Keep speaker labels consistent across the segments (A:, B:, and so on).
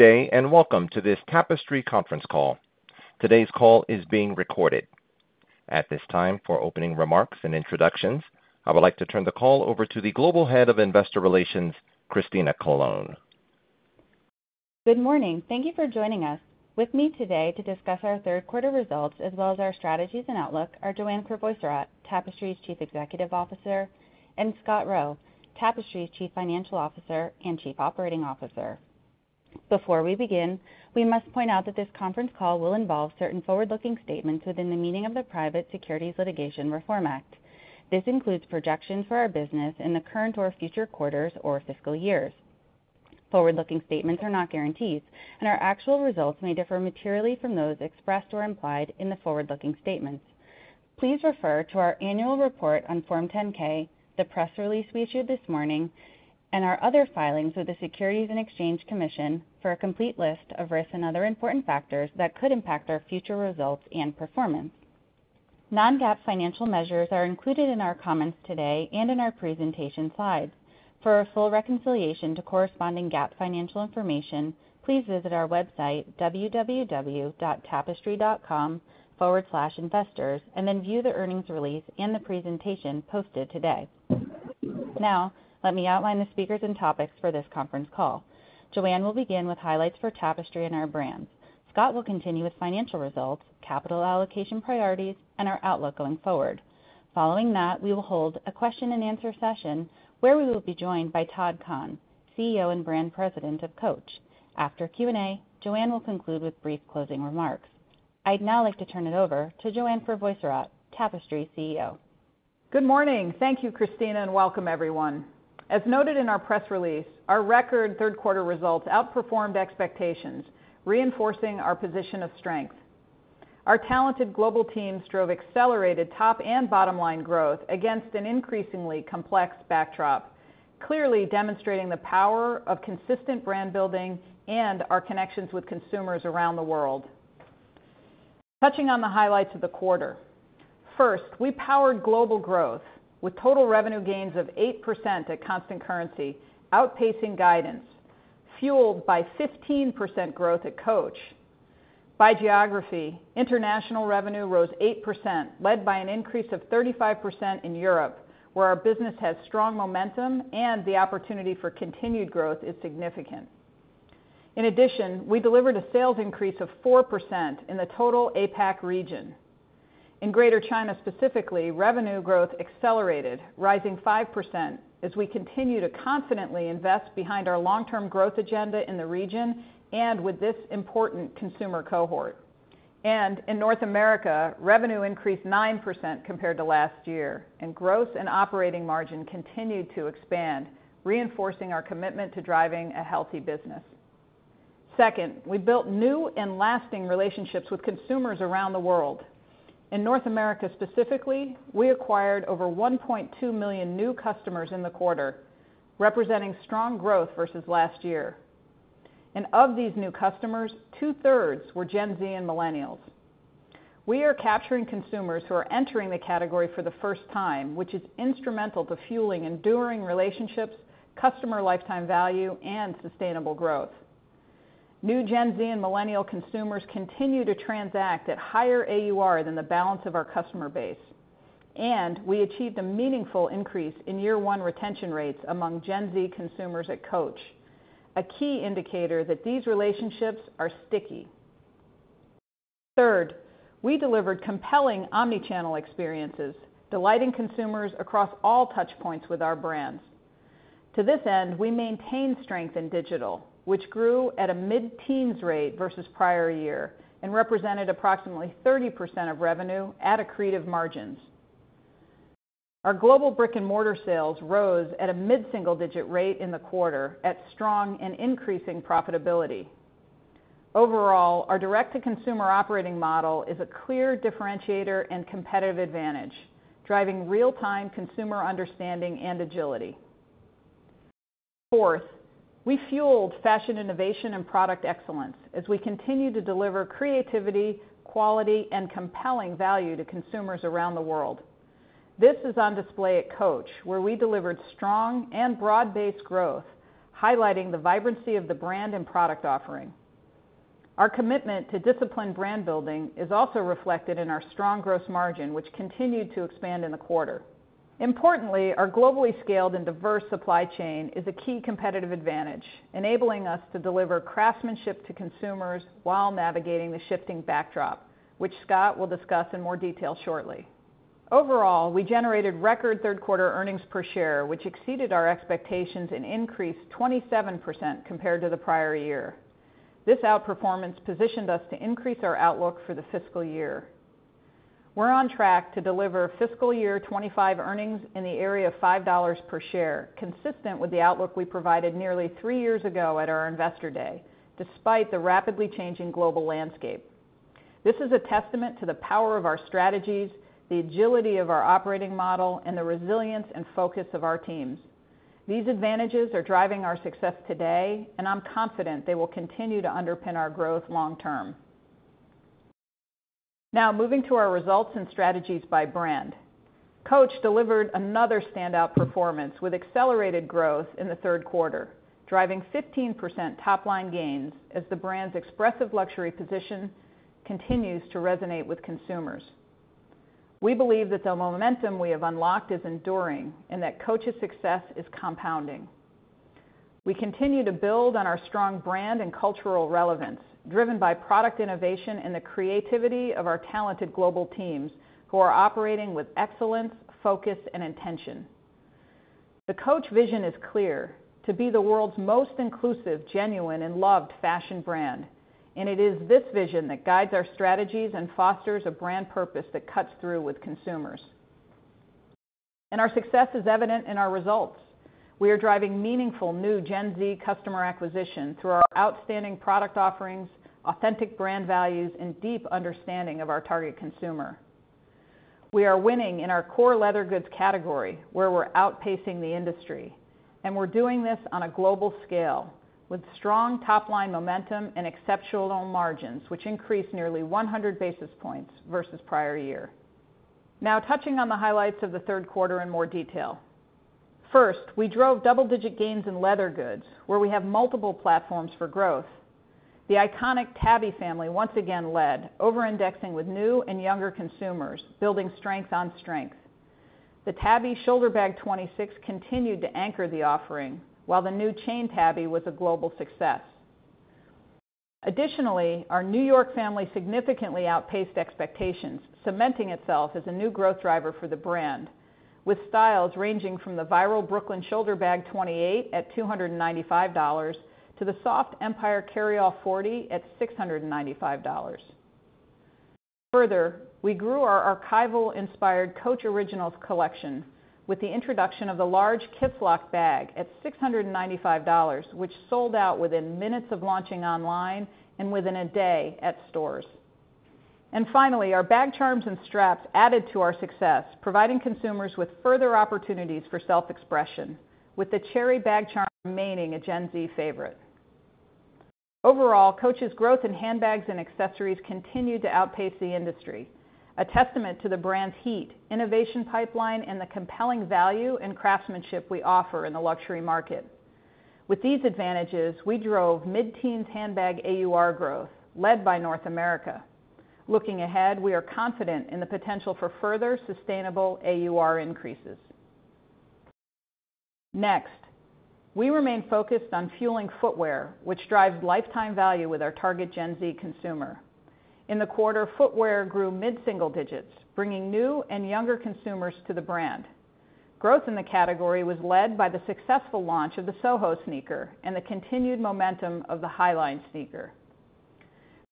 A: Good day and welcome to this Tapestry conference call. Today's call is being recorded. At this time, for opening remarks and introductions, I would like to turn the call over to the Global Head of Investor Relations, Christina Colone.
B: Good morning. Thank you for joining us. With me today to discuss our third quarter results as well as our strategies and outlook are Joanne Crevoiserat, Tapestry's Chief Executive Officer, and Scott Roe, Tapestry's Chief Financial Officer and Chief Operating Officer. Before we begin, we must point out that this conference call will involve certain forward-looking statements within the meaning of the Private Securities Litigation Reform Act. This includes projections for our business in the current or future quarters or fiscal years. Forward-looking statements are not guarantees, and our actual results may differ materially from those expressed or implied in the forward-looking statements. Please refer to our annual report on Form 10-K, the press release we issued this morning, and our other filings with the Securities and Exchange Commission for a complete list of risks and other important factors that could impact our future results and performance. Non-GAAP financial measures are included in our comments today and in our presentation slides. For a full reconciliation to corresponding GAAP financial information, please visit our website, www.tapestry.com/investors, and then view the earnings release and the presentation posted today. Now, let me outline the speakers and topics for this conference call. Joanne will begin with highlights for Tapestry and our brands. Scott will continue with financial results, capital allocation priorities, and our outlook going forward. Following that, we will hold a question-and-answer session where we will be joined by Todd Kahn, CEO and Brand President of Coach. After Q&A, Joanne will conclude with brief closing remarks. I'd now like to turn it over to Joanne Crevoiserat, Tapestry CEO.
C: Good morning. Thank you, Christina, and welcome, everyone. As noted in our press release, our record third quarter results outperformed expectations, reinforcing our position of strength. Our talented global team drove accelerated top and bottom-line growth against an increasingly complex backdrop, clearly demonstrating the power of consistent brand building and our connections with consumers around the world. Touching on the highlights of the quarter, first, we powered global growth with total revenue gains of 8% at constant currency, outpacing guidance, fueled by 15% growth at Coach. By geography, international revenue rose 8%, led by an increase of 35% in Europe, where our business has strong momentum and the opportunity for continued growth is significant. In addition, we delivered a sales increase of 4% in the total APAC region. In Greater China specifically, revenue growth accelerated, rising 5% as we continue to confidently invest behind our long-term growth agenda in the region and with this important consumer cohort. And in North America, revenue increased 9% compared to last year, and gross and operating margin continued to expand, reinforcing our commitment to driving a healthy business. Second, we built new and lasting relationships with consumers around the world. In North America specifically, we acquired over 1.2 million new customers in the quarter, representing strong growth versus last year. And of these new customers, 2/3 were Gen Z and Millennials. We are capturing consumers who are entering the category for the first time, which is instrumental to fueling enduring relationships, customer lifetime value, and sustainable growth. New Gen Z and Millennial consumers continue to transact at higher AUR than the balance of our customer base. We achieved a meaningful increase in year-one retention rates among Gen Z consumers at Coach, a key indicator that these relationships are sticky. Third, we delivered compelling omnichannel experiences, delighting consumers across all touch points with our brands. To this end, we maintained strength in digital, which grew at a mid-teens rate versus prior year and represented approximately 30% of revenue at accretive margins. Our global brick-and-mortar sales rose at a mid-single-digit rate in the quarter, at strong and increasing profitability. Overall, our direct-to-consumer operating model is a clear differentiator and competitive advantage, driving real-time consumer understanding and agility. Fourth, we fueled fashion innovation and product excellence as we continue to deliver creativity, quality, and compelling value to consumers around the world. This is on display at Coach, where we delivered strong and broad-based growth, highlighting the vibrancy of the brand and product offering. Our commitment to disciplined brand building is also reflected in our strong gross margin, which continued to expand in the quarter. Importantly, our globally scaled and diverse supply chain is a key competitive advantage, enabling us to deliver craftsmanship to consumers while navigating the shifting backdrop, which Scott will discuss in more detail shortly. Overall, we generated record third quarter earnings per share, which exceeded our expectations and increased 27% compared to the prior year. This outperformance positioned us to increase our outlook for the fiscal year. We're on track to deliver fiscal year 2025 earnings in the area of $5 per share, consistent with the outlook we provided nearly three years ago at our Investor Day, despite the rapidly changing global landscape. This is a testament to the power of our strategies, the agility of our operating model, and the resilience and focus of our teams. These advantages are driving our success today, and I'm confident they will continue to underpin our growth long-term. Now, moving to our results and strategies by brand. Coach delivered another standout performance with accelerated growth in the third quarter, driving 15% top-line gains as the brand's expressive luxury position continues to resonate with consumers. We believe that the momentum we have unlocked is enduring and that Coach's success is compounding. We continue to build on our strong brand and cultural relevance, driven by product innovation and the creativity of our talented global teams who are operating with excellence, focus, and intention. The Coach vision is clear: to be the world's most inclusive, genuine, and loved fashion brand. And it is this vision that guides our strategies and fosters a brand purpose that cuts through with consumers. And our success is evident in our results. We are driving meaningful new Gen Z customer acquisition through our outstanding product offerings, authentic brand values, and deep understanding of our target consumer. We are winning in our core leather goods category, where we're outpacing the industry, and we're doing this on a global scale with strong top-line momentum and exceptional margins, which increased nearly 100 basis points versus prior year. Now, touching on the highlights of the third quarter in more detail. First, we drove double-digit gains in leather goods, where we have multiple platforms for growth. The iconic Tabby family once again led, over-indexing with new and younger consumers, building strength on strength. The Tabby Shoulder Bag 26 continued to anchor the offering, while the new Chain Tabby was a global success. Additionally, our New York family significantly outpaced expectations, cementing itself as a new growth driver for the brand, with styles ranging from the viral Brooklyn Shoulder Bag 28 at $295 to the soft Empire Carryall 40 at $695. Further, we grew our archival-inspired Coach Originals collection with the introduction of the large Kisslock bag at $695, which sold out within minutes of launching online and within a day at stores. And finally, our bag charms and straps added to our success, providing consumers with further opportunities for self-expression, with the Cherry Bag Charm remaining a Gen Z favorite. Overall, Coach's growth in handbags and accessories continued to outpace the industry, a testament to the brand's heat, innovation pipeline, and the compelling value and craftsmanship we offer in the luxury market. With these advantages, we drove mid-teens handbag AUR growth, led by North America. Looking ahead, we are confident in the potential for further sustainable AUR increases. Next, we remain focused on fueling footwear, which drives lifetime value with our target Gen Z consumer. In the quarter, footwear grew mid-single digits, bringing new and younger consumers to the brand. Growth in the category was led by the successful launch of the Soho sneaker and the continued momentum of the High Line sneaker.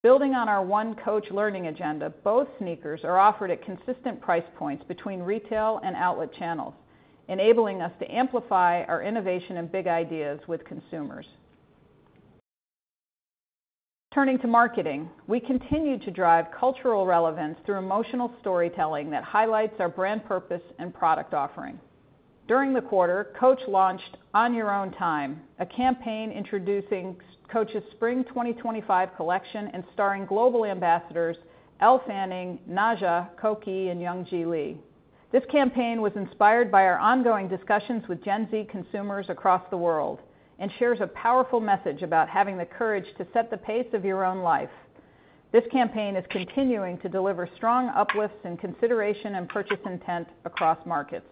C: Building on our One Coach learning agenda, both sneakers are offered at consistent price points between retail and outlet channels, enabling us to amplify our innovation and big ideas with consumers. Turning to marketing, we continue to drive cultural relevance through emotional storytelling that highlights our brand purpose and product offering. During the quarter, Coach launched On Your Own Time, a campaign introducing Coach's Spring 2025 collection and starring global ambassadors Elle Fanning, Nazha, Kōki, and Youngji Lee. This campaign was inspired by our ongoing discussions with Gen Z consumers across the world and shares a powerful message about having the courage to set the pace of your own life. This campaign is continuing to deliver strong uplifts in consideration and purchase intent across markets,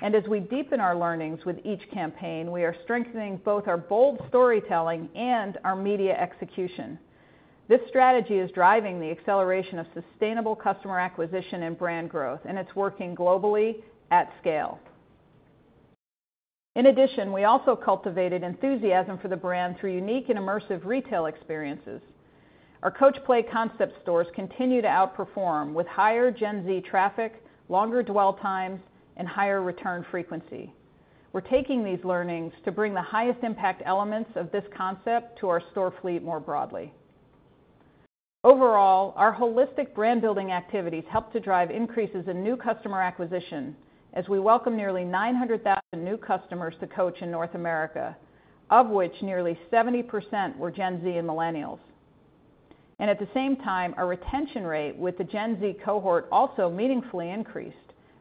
C: and as we deepen our learnings with each campaign, we are strengthening both our bold storytelling and our media execution. This strategy is driving the acceleration of sustainable customer acquisition and brand growth, and it's working globally at scale. In addition, we also cultivated enthusiasm for the brand through unique and immersive retail experiences. Our Coach Play concept stores continue to outperform with higher Gen Z traffic, longer dwell times, and higher return frequency. We're taking these learnings to bring the highest impact elements of this concept to our store fleet more broadly. Overall, our holistic brand-building activities help to drive increases in new customer acquisition as we welcome nearly 900,000 new customers to Coach in North America, of which nearly 70% were Gen Z and Millennials, and at the same time, our retention rate with the Gen Z cohort also meaningfully increased,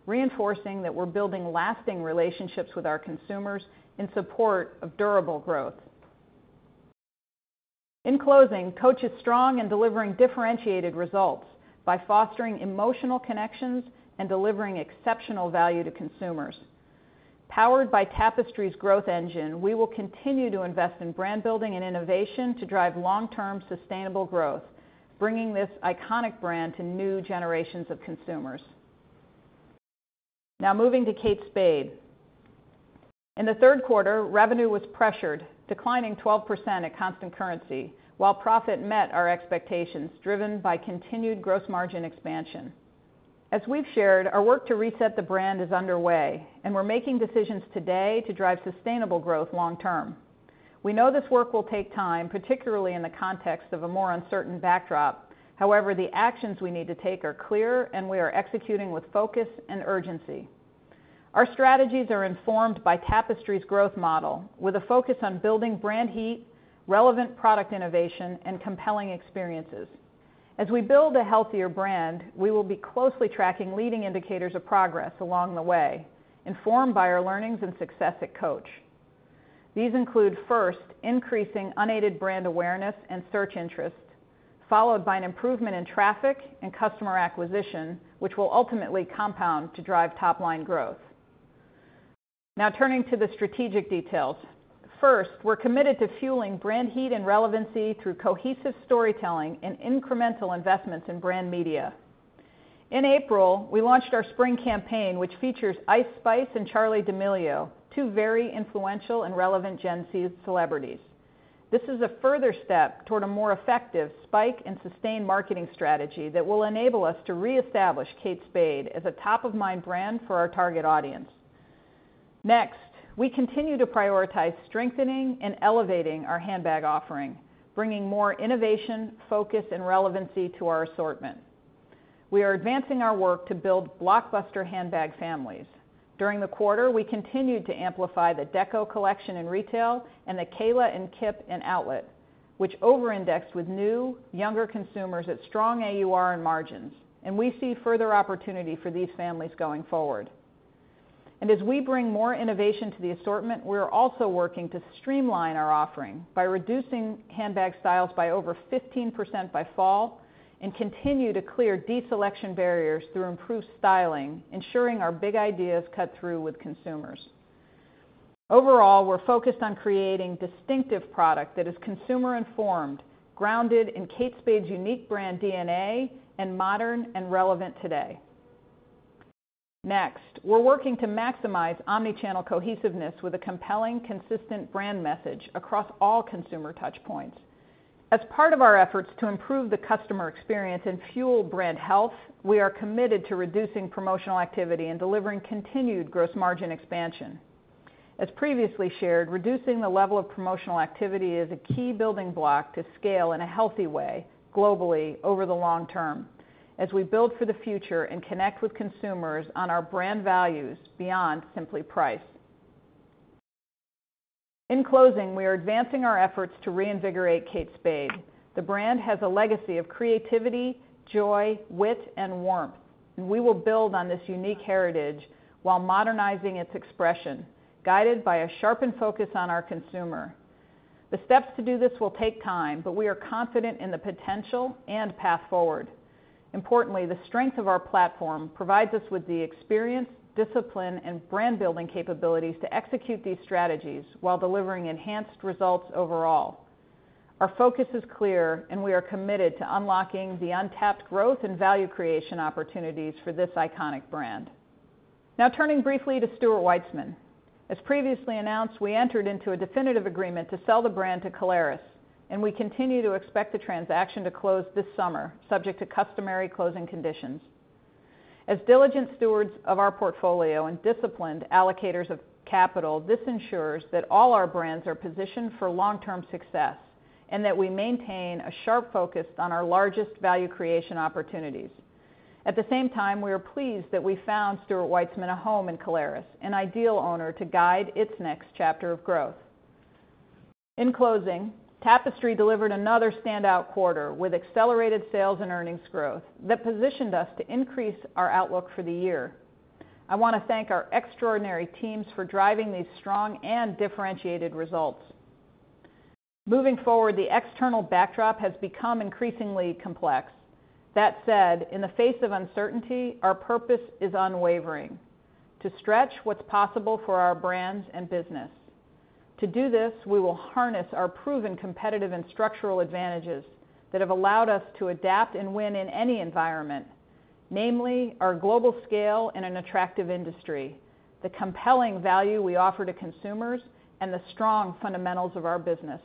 C: reinforcing that we're building lasting relationships with our consumers in support of durable growth. In closing, Coach is strong in delivering differentiated results by fostering emotional connections and delivering exceptional value to consumers. Powered by Tapestry's growth engine, we will continue to invest in brand building and innovation to drive long-term sustainable growth, bringing this iconic brand to new generations of consumers. Now, moving to Kate Spade. In the third quarter, revenue was pressured, declining 12% at constant currency, while profit met our expectations, driven by continued gross margin expansion. As we've shared, our work to reset the brand is underway, and we're making decisions today to drive sustainable growth long-term. We know this work will take time, particularly in the context of a more uncertain backdrop. However, the actions we need to take are clear, and we are executing with focus and urgency. Our strategies are informed by Tapestry's growth model, with a focus on building brand heat, relevant product innovation, and compelling experiences. As we build a healthier brand, we will be closely tracking leading indicators of progress along the way, informed by our learnings and success at Coach. These include, first, increasing unaided brand awareness and search interest, followed by an improvement in traffic and customer acquisition, which will ultimately compound to drive top-line growth. Now, turning to the strategic details. First, we're committed to fueling brand heat and relevancy through cohesive storytelling and incremental investments in brand media. In April, we launched our spring campaign, which features Ice Spice and Charli D'Amelio, two very influential and relevant Gen Z celebrities. This is a further step toward a more effective spike and sustain marketing strategy that will enable us to reestablish Kate Spade as a top-of-mind brand for our target audience. Next, we continue to prioritize strengthening and elevating our handbag offering, bringing more innovation, focus, and relevancy to our assortment. We are advancing our work to build blockbuster handbag families. During the quarter, we continued to amplify the Deco collection in retail and the Kayla and Kip in outlet, which over-indexed with new, younger consumers at strong AUR and margins. We see further opportunity for these families going forward. And as we bring more innovation to the assortment, we are also working to streamline our offering by reducing handbag styles by over 15% by fall and continue to clear deselection barriers through improved styling, ensuring our big ideas cut through with consumers. Overall, we're focused on creating distinctive product that is consumer-informed, grounded in Kate Spade's unique brand DNA, and modern and relevant today. Next, we're working to maximize omnichannel cohesiveness with a compelling, consistent brand message across all consumer touch points. As part of our efforts to improve the customer experience and fuel brand health, we are committed to reducing promotional activity and delivering continued gross margin expansion. As previously shared, reducing the level of promotional activity is a key building block to scale in a healthy way globally over the long term as we build for the future and connect with consumers on our brand values beyond simply price. In closing, we are advancing our efforts to reinvigorate Kate Spade. The brand has a legacy of creativity, joy, wit, and warmth, and we will build on this unique heritage while modernizing its expression, guided by a sharpened focus on our consumer. The steps to do this will take time, but we are confident in the potential and path forward. Importantly, the strength of our platform provides us with the experience, discipline, and brand-building capabilities to execute these strategies while delivering enhanced results overall. Our focus is clear, and we are committed to unlocking the untapped growth and value creation opportunities for this iconic brand. Now, turning briefly to Stuart Weitzman. As previously announced, we entered into a definitive agreement to sell the brand to Caleres, and we continue to expect the transaction to close this summer, subject to customary closing conditions. As diligent stewards of our portfolio and disciplined allocators of capital, this ensures that all our brands are positioned for long-term success and that we maintain a sharp focus on our largest value creation opportunities. At the same time, we are pleased that we found Stuart Weitzman a home in Caleres, an ideal owner to guide its next chapter of growth. In closing, Tapestry delivered another standout quarter with accelerated sales and earnings growth that positioned us to increase our outlook for the year. I want to thank our extraordinary teams for driving these strong and differentiated results. Moving forward, the external backdrop has become increasingly complex. That said, in the face of uncertainty, our purpose is unwavering: to stretch what's possible for our brands and business. To do this, we will harness our proven competitive and structural advantages that have allowed us to adapt and win in any environment, namely our global scale in an attractive industry, the compelling value we offer to consumers, and the strong fundamentals of our business.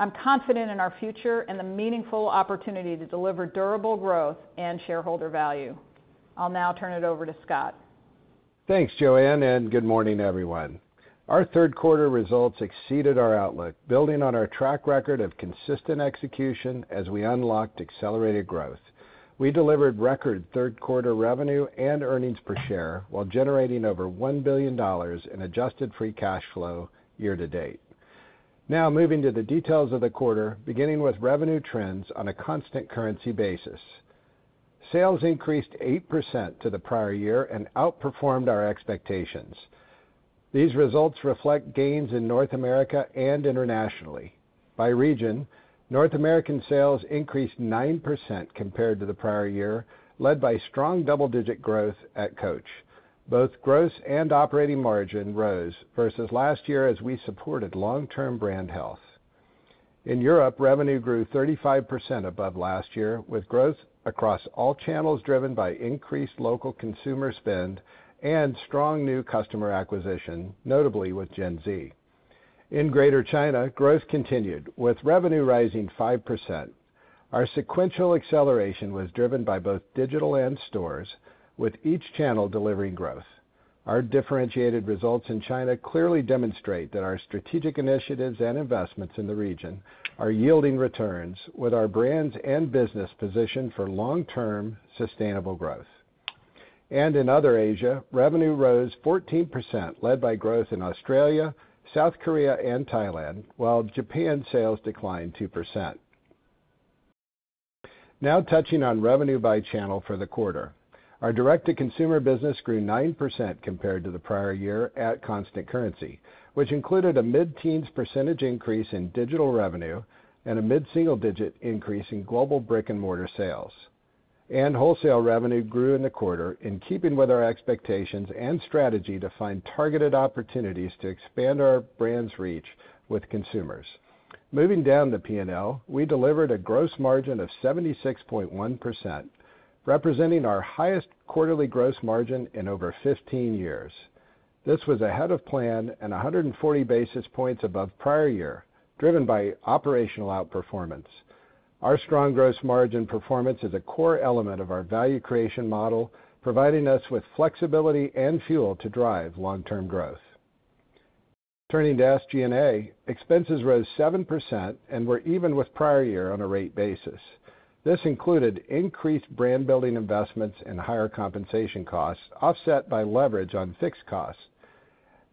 C: I'm confident in our future and the meaningful opportunity to deliver durable growth and shareholder value. I'll now turn it over to Scott.
D: Thanks, Joanne, and good morning, everyone. Our third quarter results exceeded our outlook, building on our track record of consistent execution as we unlocked accelerated growth. We delivered record third quarter revenue and earnings per share while generating over $1 billion in adjusted free cash flow year to date. Now, moving to the details of the quarter, beginning with revenue trends on a constant currency basis. Sales increased 8% to the prior year and outperformed our expectations. These results reflect gains in North America and internationally. By region, North American sales increased 9% compared to the prior year, led by strong double-digit growth at Coach. Both gross and operating margin rose versus last year as we supported long-term brand health. In Europe, revenue grew 35% above last year, with growth across all channels driven by increased local consumer spend and strong new customer acquisition, notably with Gen Z. In Greater China, growth continued, with revenue rising 5%. Our sequential acceleration was driven by both digital and stores, with each channel delivering growth. Our differentiated results in China clearly demonstrate that our strategic initiatives and investments in the region are yielding returns, with our brands and business positioned for long-term sustainable growth. In other Asia, revenue rose 14%, led by growth in Australia, South Korea, and Thailand, while Japan sales declined 2%. Now, touching on revenue by channel for the quarter, our direct-to-consumer business grew 9% compared to the prior year at constant currency, which included a mid-teens percentage increase in digital revenue and a mid-single digit increase in global brick-and-mortar sales. Wholesale revenue grew in the quarter, in keeping with our expectations and strategy to find targeted opportunities to expand our brand's reach with consumers. Moving down the P&L, we delivered a gross margin of 76.1%, representing our highest quarterly gross margin in over 15 years. This was ahead of plan and 140 basis points above prior year, driven by operational outperformance. Our strong gross margin performance is a core element of our value creation model, providing us with flexibility and fuel to drive long-term growth. Turning to SG&A, expenses rose 7% and were even with prior year on a rate basis. This included increased brand-building investments and higher compensation costs, offset by leverage on fixed costs.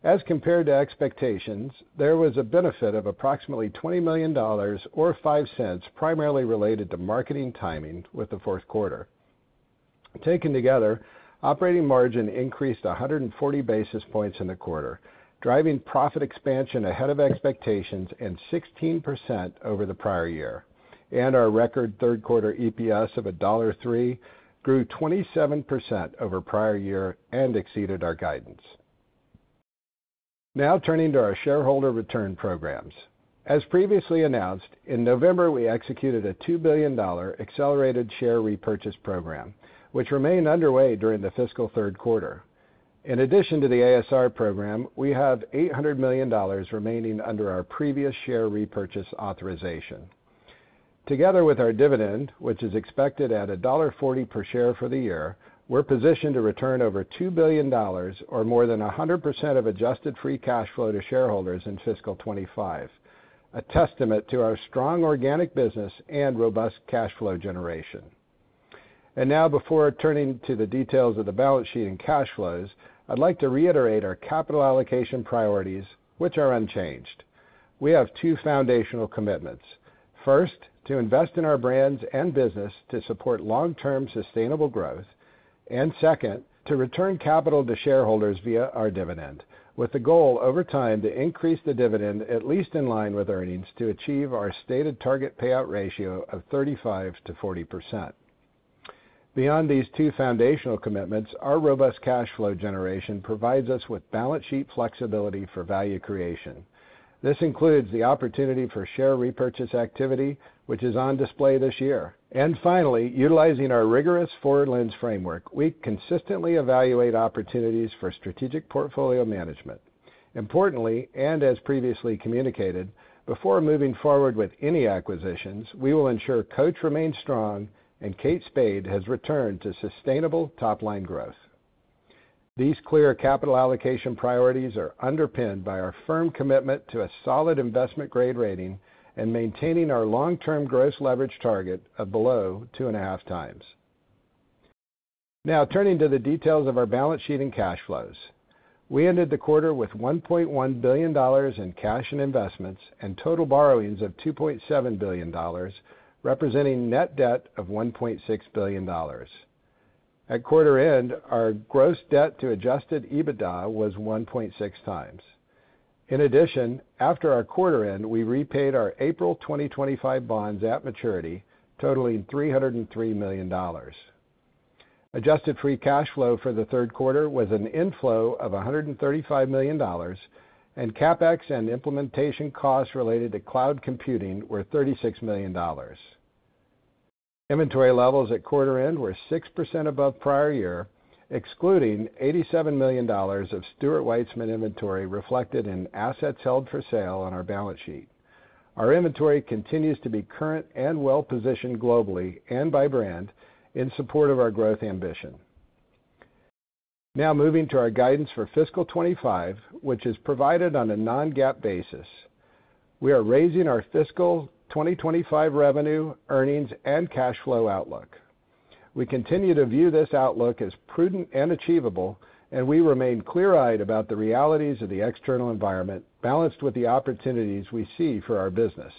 D: As compared to expectations, there was a benefit of approximately $20 million or $0.05, primarily related to marketing timing with the fourth quarter. Taken together, operating margin increased 140 basis points in the quarter, driving profit expansion ahead of expectations and 16% over the prior year, and our record third quarter EPS of $1.03 grew 27% over prior year and exceeded our guidance. Now, turning to our shareholder return programs. As previously announced, in November, we executed a $2 billion accelerated share repurchase program, which remained underway during the fiscal third quarter. In addition to the ASR program, we have $800 million remaining under our previous share repurchase authorization. Together with our dividend, which is expected at $1.40 per share for the year, we're positioned to return over $2 billion, or more than 100% of adjusted free cash flow to shareholders in fiscal 2025, a testament to our strong organic business and robust cash flow generation. And now, before turning to the details of the balance sheet and cash flows, I'd like to reiterate our capital allocation priorities, which are unchanged. We have two foundational commitments. First, to invest in our brands and business to support long-term sustainable growth, and second, to return capital to shareholders via our dividend, with the goal over time to increase the dividend, at least in line with earnings, to achieve our stated target payout ratio of 35%-40%. Beyond these two foundational commitments, our robust cash flow generation provides us with balance sheet flexibility for value creation. This includes the opportunity for share repurchase activity, which is on display this year, and finally, utilizing our rigorous forward lens framework, we consistently evaluate opportunities for strategic portfolio management. Importantly, and as previously communicated, before moving forward with any acquisitions, we will ensure Coach remains strong and Kate Spade has returned to sustainable top-line growth. These clear capital allocation priorities are underpinned by our firm commitment to a solid investment grade rating and maintaining our long-term gross leverage target of below two and a half times. Now, turning to the details of our balance sheet and cash flows. We ended the quarter with $1.1 billion in cash and investments and total borrowings of $2.7 billion, representing net debt of $1.6 billion. At quarter end, our gross debt to adjusted EBITDA was 1.6 times. In addition, after our quarter end, we repaid our April 2025 bonds at maturity, totaling $303 million. Adjusted free cash flow for the third quarter was an inflow of $135 million, and CapEx and implementation costs related to cloud computing were $36 million. Inventory levels at quarter end were 6% above prior year, excluding $87 million of Stuart Weitzman inventory reflected in assets held for sale on our balance sheet. Our inventory continues to be current and well-positioned globally and by brand in support of our growth ambition. Now, moving to our guidance for fiscal 2025, which is provided on a non-GAAP basis. We are raising our fiscal 2025 revenue, earnings, and cash flow outlook. We continue to view this outlook as prudent and achievable, and we remain clear-eyed about the realities of the external environment, balanced with the opportunities we see for our business.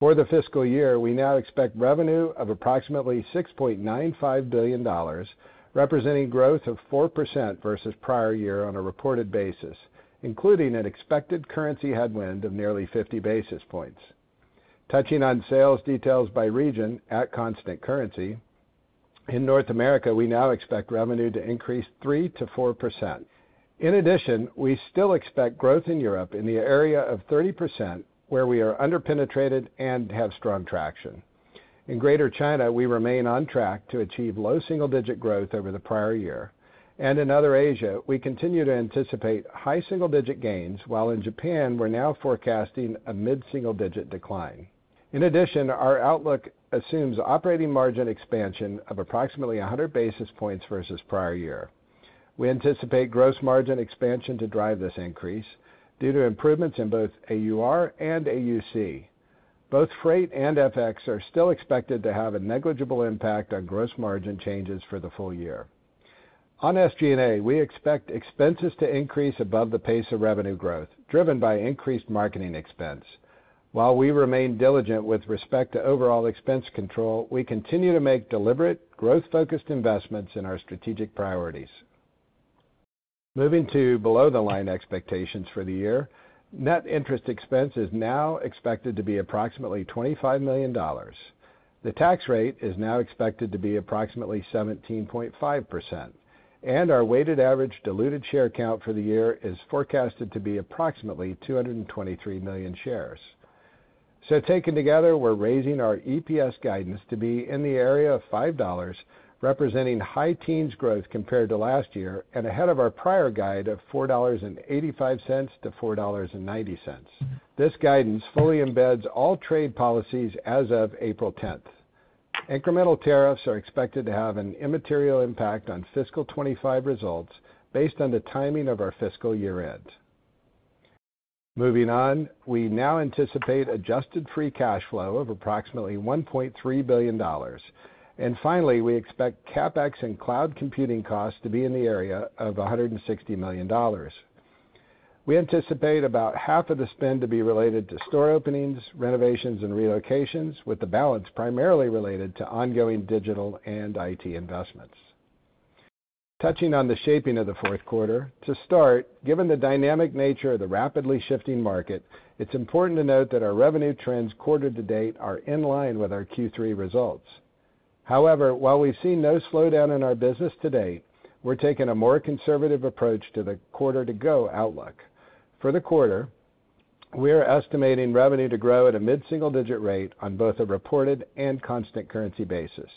D: For the fiscal year, we now expect revenue of approximately $6.95 billion, representing growth of 4% versus prior year on a reported basis, including an expected currency headwind of nearly 50 basis points. Touching on sales details by region at constant currency, in North America, we now expect revenue to increase 3%-4%. In addition, we still expect growth in Europe in the area of 30%, where we are underpenetrated and have strong traction. In Greater China, we remain on track to achieve low single-digit growth over the prior year. And in other Asia, we continue to anticipate high single-digit gains, while in Japan, we're now forecasting a mid-single-digit decline. In addition, our outlook assumes operating margin expansion of approximately 100 basis points versus prior year. We anticipate gross margin expansion to drive this increase due to improvements in both AUR and AUC. Both freight and FX are still expected to have a negligible impact on gross margin changes for the full year. On SG&A, we expect expenses to increase above the pace of revenue growth, driven by increased marketing expense. While we remain diligent with respect to overall expense control, we continue to make deliberate, growth-focused investments in our strategic priorities. Moving to below-the-line expectations for the year, net interest expense is now expected to be approximately $25 million. The tax rate is now expected to be approximately 17.5%, and our weighted average diluted share count for the year is forecasted to be approximately 223 million shares. So taken together, we're raising our EPS guidance to be in the area of $5, representing high teens growth compared to last year and ahead of our prior guide of $4.85-$4.90. This guidance fully embeds all trade policies as of April 10th. Incremental tariffs are expected to have an immaterial impact on fiscal 2025 results based on the timing of our fiscal year-end. Moving on, we now anticipate adjusted free cash flow of approximately $1.3 billion. And finally, we expect CapEx and cloud computing costs to be in the area of $160 million. We anticipate about half of the spend to be related to store openings, renovations, and relocations, with the balance primarily related to ongoing digital and IT investments. Touching on the shaping of the fourth quarter, to start, given the dynamic nature of the rapidly shifting market, it's important to note that our revenue trends quarter to date are in line with our Q3 results. However, while we've seen no slowdown in our business to date, we're taking a more conservative approach to the quarter-to-go outlook. For the quarter, we're estimating revenue to grow at a mid-single digit rate on both a reported and constant currency basis.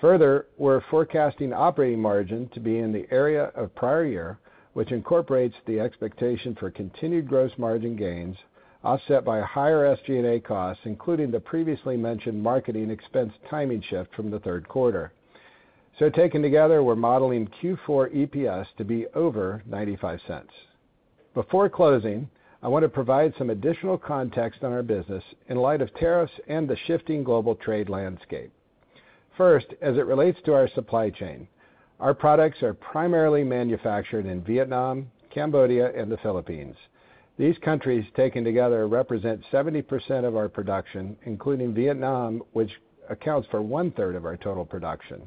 D: Further, we're forecasting operating margin to be in the area of prior year, which incorporates the expectation for continued gross margin gains, offset by higher SG&A costs, including the previously mentioned marketing expense timing shift from the third quarter. So taken together, we're modeling Q4 EPS to be over $0.95. Before closing, I want to provide some additional context on our business in light of tariffs and the shifting global trade landscape. First, as it relates to our supply chain, our products are primarily manufactured in Vietnam, Cambodia, and the Philippines. These countries taken together represent 70% of our production, including Vietnam, which accounts for 1/3 of our total production.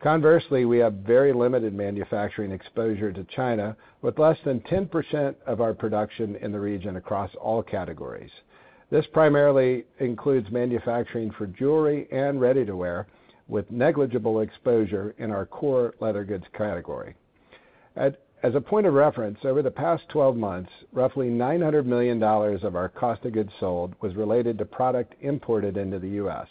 D: Conversely, we have very limited manufacturing exposure to China, with less than 10% of our production in the region across all categories. This primarily includes manufacturing for jewelry and ready-to-wear, with negligible exposure in our core leather goods category. As a point of reference, over the past 12 months, roughly $900 million of our cost of goods sold was related to product imported into the U.S.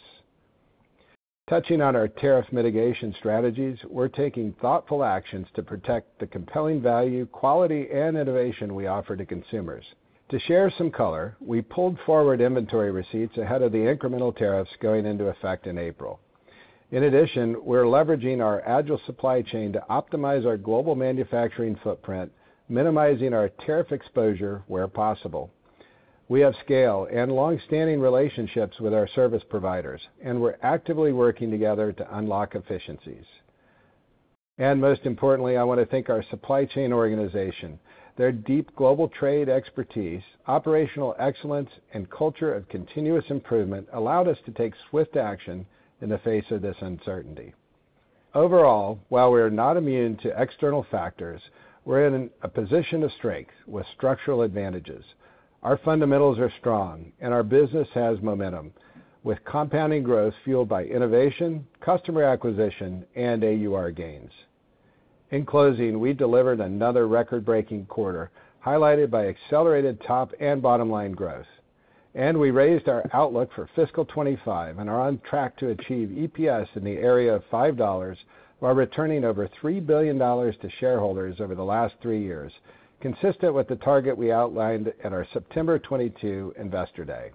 D: Touching on our tariff mitigation strategies, we're taking thoughtful actions to protect the compelling value, quality, and innovation we offer to consumers. To share some color, we pulled forward inventory receipts ahead of the incremental tariffs going into effect in April. In addition, we're leveraging our agile supply chain to optimize our global manufacturing footprint, minimizing our tariff exposure where possible. We have scale and long-standing relationships with our service providers, and we're actively working together to unlock efficiencies. And most importantly, I want to thank our supply chain organization. Their deep global trade expertise, operational excellence, and culture of continuous improvement allowed us to take swift action in the face of this uncertainty. Overall, while we're not immune to external factors, we're in a position of strength with structural advantages. Our fundamentals are strong, and our business has momentum, with compounding growth fueled by innovation, customer acquisition, and AUR gains. In closing, we delivered another record-breaking quarter, highlighted by accelerated top and bottom line growth. And we raised our outlook for fiscal 2025 and are on track to achieve EPS in the area of $5 while returning over $3 billion to shareholders over the last three years, consistent with the target we outlined at our September 22 Investor Day.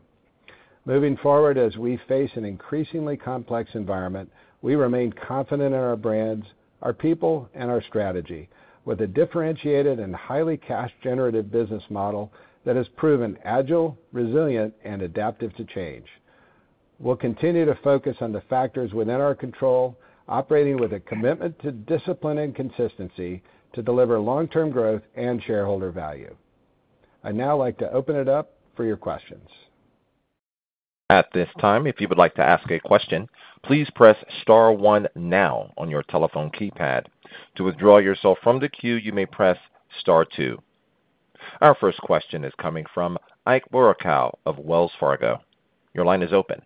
D: Moving forward, as we face an increasingly complex environment, we remain confident in our brands, our people, and our strategy, with a differentiated and highly cash-generative business model that has proven agile, resilient, and adaptive to change. We'll continue to focus on the factors within our control, operating with a commitment to discipline and consistency to deliver long-term growth and shareholder value. I'd now like to open it up for your questions.
A: At this time, if you would like to ask a question, please press star one now on your telephone keypad. To withdraw yourself from the queue, you may press star two. Our first question is coming from Ike Boruchow of Wells Fargo. Your line is open.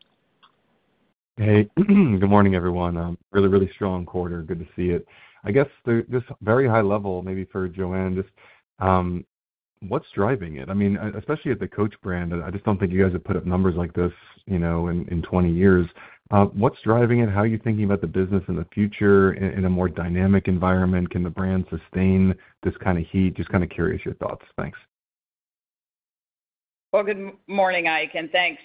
E: Hey, good morning, everyone. Really, really strong quarter. Good to see it. I guess just very high level, maybe for Joanne, just what's driving it? I mean, especially at the Coach brand, I just don't think you guys have put up numbers like this in 20 years. What's driving it? How are you thinking about the business in the future in a more dynamic environment? Can the brand sustain this kind of heat? Just kind of curious your thoughts. Thanks.
C: Well, good morning, Ike, and thanks.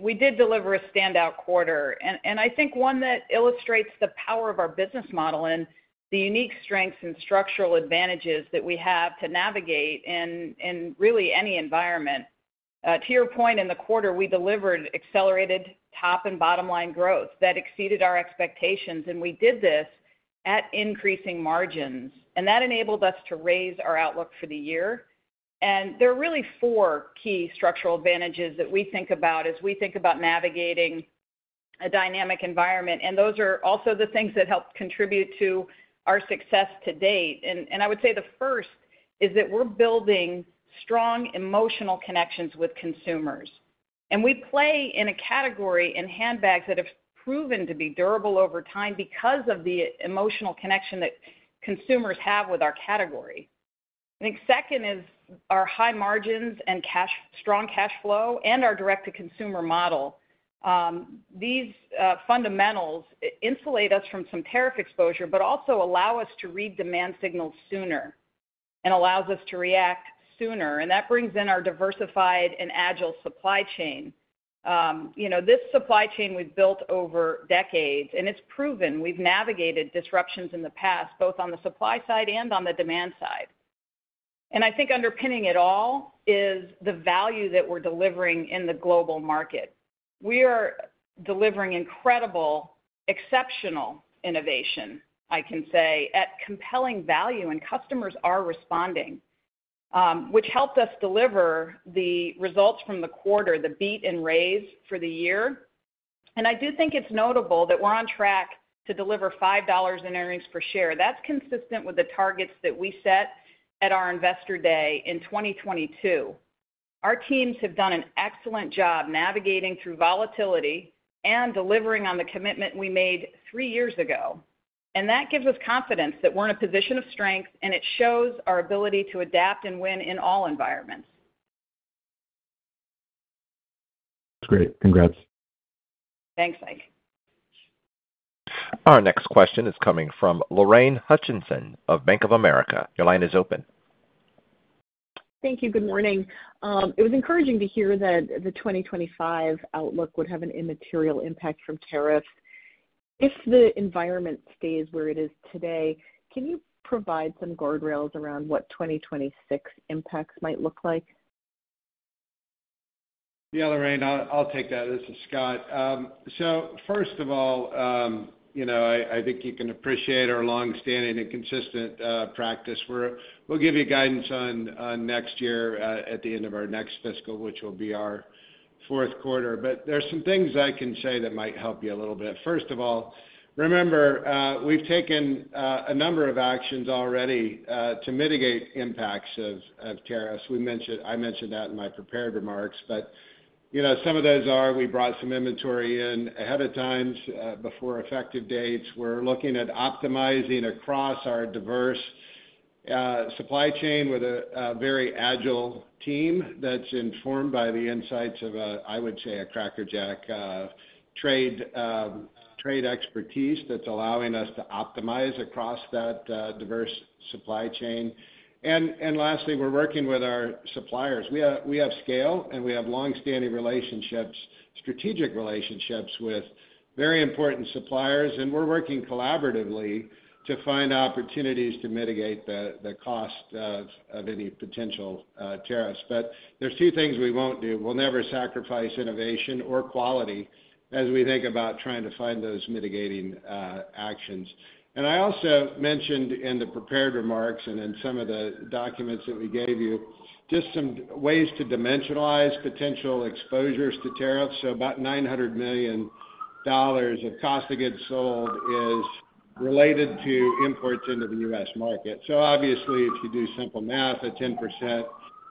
C: We did deliver a standout quarter, and I think one that illustrates the power of our business model and the unique strengths and structural advantages that we have to navigate in really any environment. To your point, in the quarter, we delivered accelerated top and bottom line growth that exceeded our expectations, and we did this at increasing margins. And that enabled us to raise our outlook for the year. And there are really four key structural advantages that we think about as we think about navigating a dynamic environment, and those are also the things that help contribute to our success to date. And I would say the first is that we're building strong emotional connections with consumers. And we play in a category in handbags that have proven to be durable over time because of the emotional connection that consumers have with our category. I think second is our high margins and strong cash flow and our direct-to-consumer model. These fundamentals insulate us from some tariff exposure, but also allow us to read demand signals sooner and allows us to react sooner. That brings in our diversified and agile supply chain. This supply chain we've built over decades, and it's proven we've navigated disruptions in the past, both on the supply side and on the demand side. I think underpinning it all is the value that we're delivering in the global market. We are delivering incredible, exceptional innovation, I can say, at compelling value, and customers are responding, which helped us deliver the results from the quarter, the beat and raise for the year. I do think it's notable that we're on track to deliver $5 in earnings per share. That's consistent with the targets that we set at our Investor Day in 2022. Our teams have done an excellent job navigating through volatility and delivering on the commitment we made three years ago. And that gives us confidence that we're in a position of strength, and it shows our ability to adapt and win in all environments.
E: That's great. Congrats.
C: Thanks, Ike.
A: Our next question is coming from Lorraine Hutchinson of Bank of America. Your line is open.
F: Thank you. Good morning. It was encouraging to hear that the 2025 outlook would have an immaterial impact from tariffs. If the environment stays where it is today, can you provide some guardrails around what 2026 impacts might look like?
D: Yeah, Lorraine, I'll take that. This is Scott. So first of all, I think you can appreciate our long-standing and consistent practice. We'll give you guidance on next year at the end of our next fiscal, which will be our fourth quarter. But there are some things I can say that might help you a little bit. First of all, remember, we've taken a number of actions already to mitigate impacts of tariffs. I mentioned that in my prepared remarks, but some of those are we brought some inventory in ahead of time before effective dates. We're looking at optimizing across our diverse supply chain with a very agile team that's informed by the insights of, I would say, a crackerjack trade expertise that's allowing us to optimize across that diverse supply chain. And lastly, we're working with our suppliers. We have scale, and we have long-standing relationships, strategic relationships with very important suppliers, and we're working collaboratively to find opportunities to mitigate the cost of any potential tariffs. But there's two things we won't do. We'll never sacrifice innovation or quality as we think about trying to find those mitigating actions. I also mentioned in the prepared remarks and in some of the documents that we gave you just some ways to dimensionalize potential exposures to tariffs. About $900 million of cost of goods sold is related to imports into the U.S. market. Obviously, if you do simple math, a 10%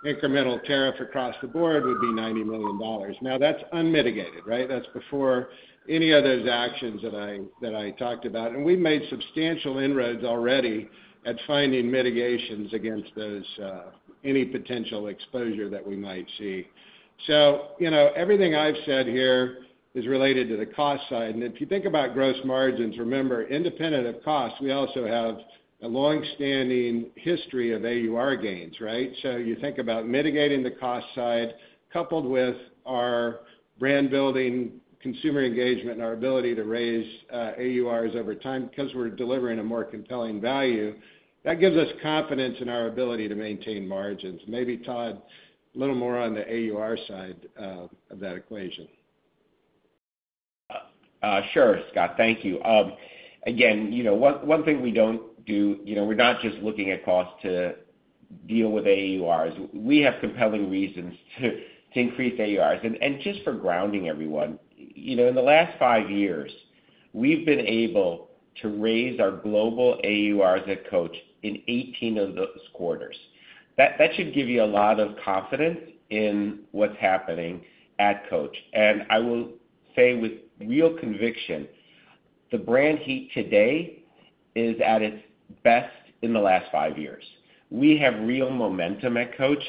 D: incremental tariff across the board would be $90 million. Now, that's unmitigated, right? That's before any of those actions that I talked about. We've made substantial inroads already at finding mitigations against any potential exposure that we might see. Everything I've said here is related to the cost side. If you think about gross margins, remember, independent of cost, we also have a long-standing history of AUR gains, right? So you think about mitigating the cost side, coupled with our brand building, consumer engagement, and our ability to raise AURs over time because we're delivering a more compelling value. That gives us confidence in our ability to maintain margins. Maybe Todd, a little more on the AUR side of that equation.
G: Sure, Scott. Thank you. Again, one thing we don't do, we're not just looking at cost to deal with AURs. We have compelling reasons to increase AURs. And just for grounding everyone, in the last five years, we've been able to raise our global AURs at Coach in 18 of those quarters. That should give you a lot of confidence in what's happening at Coach. And I will say with real conviction, the brand heat today is at its best in the last five years. We have real momentum at Coach.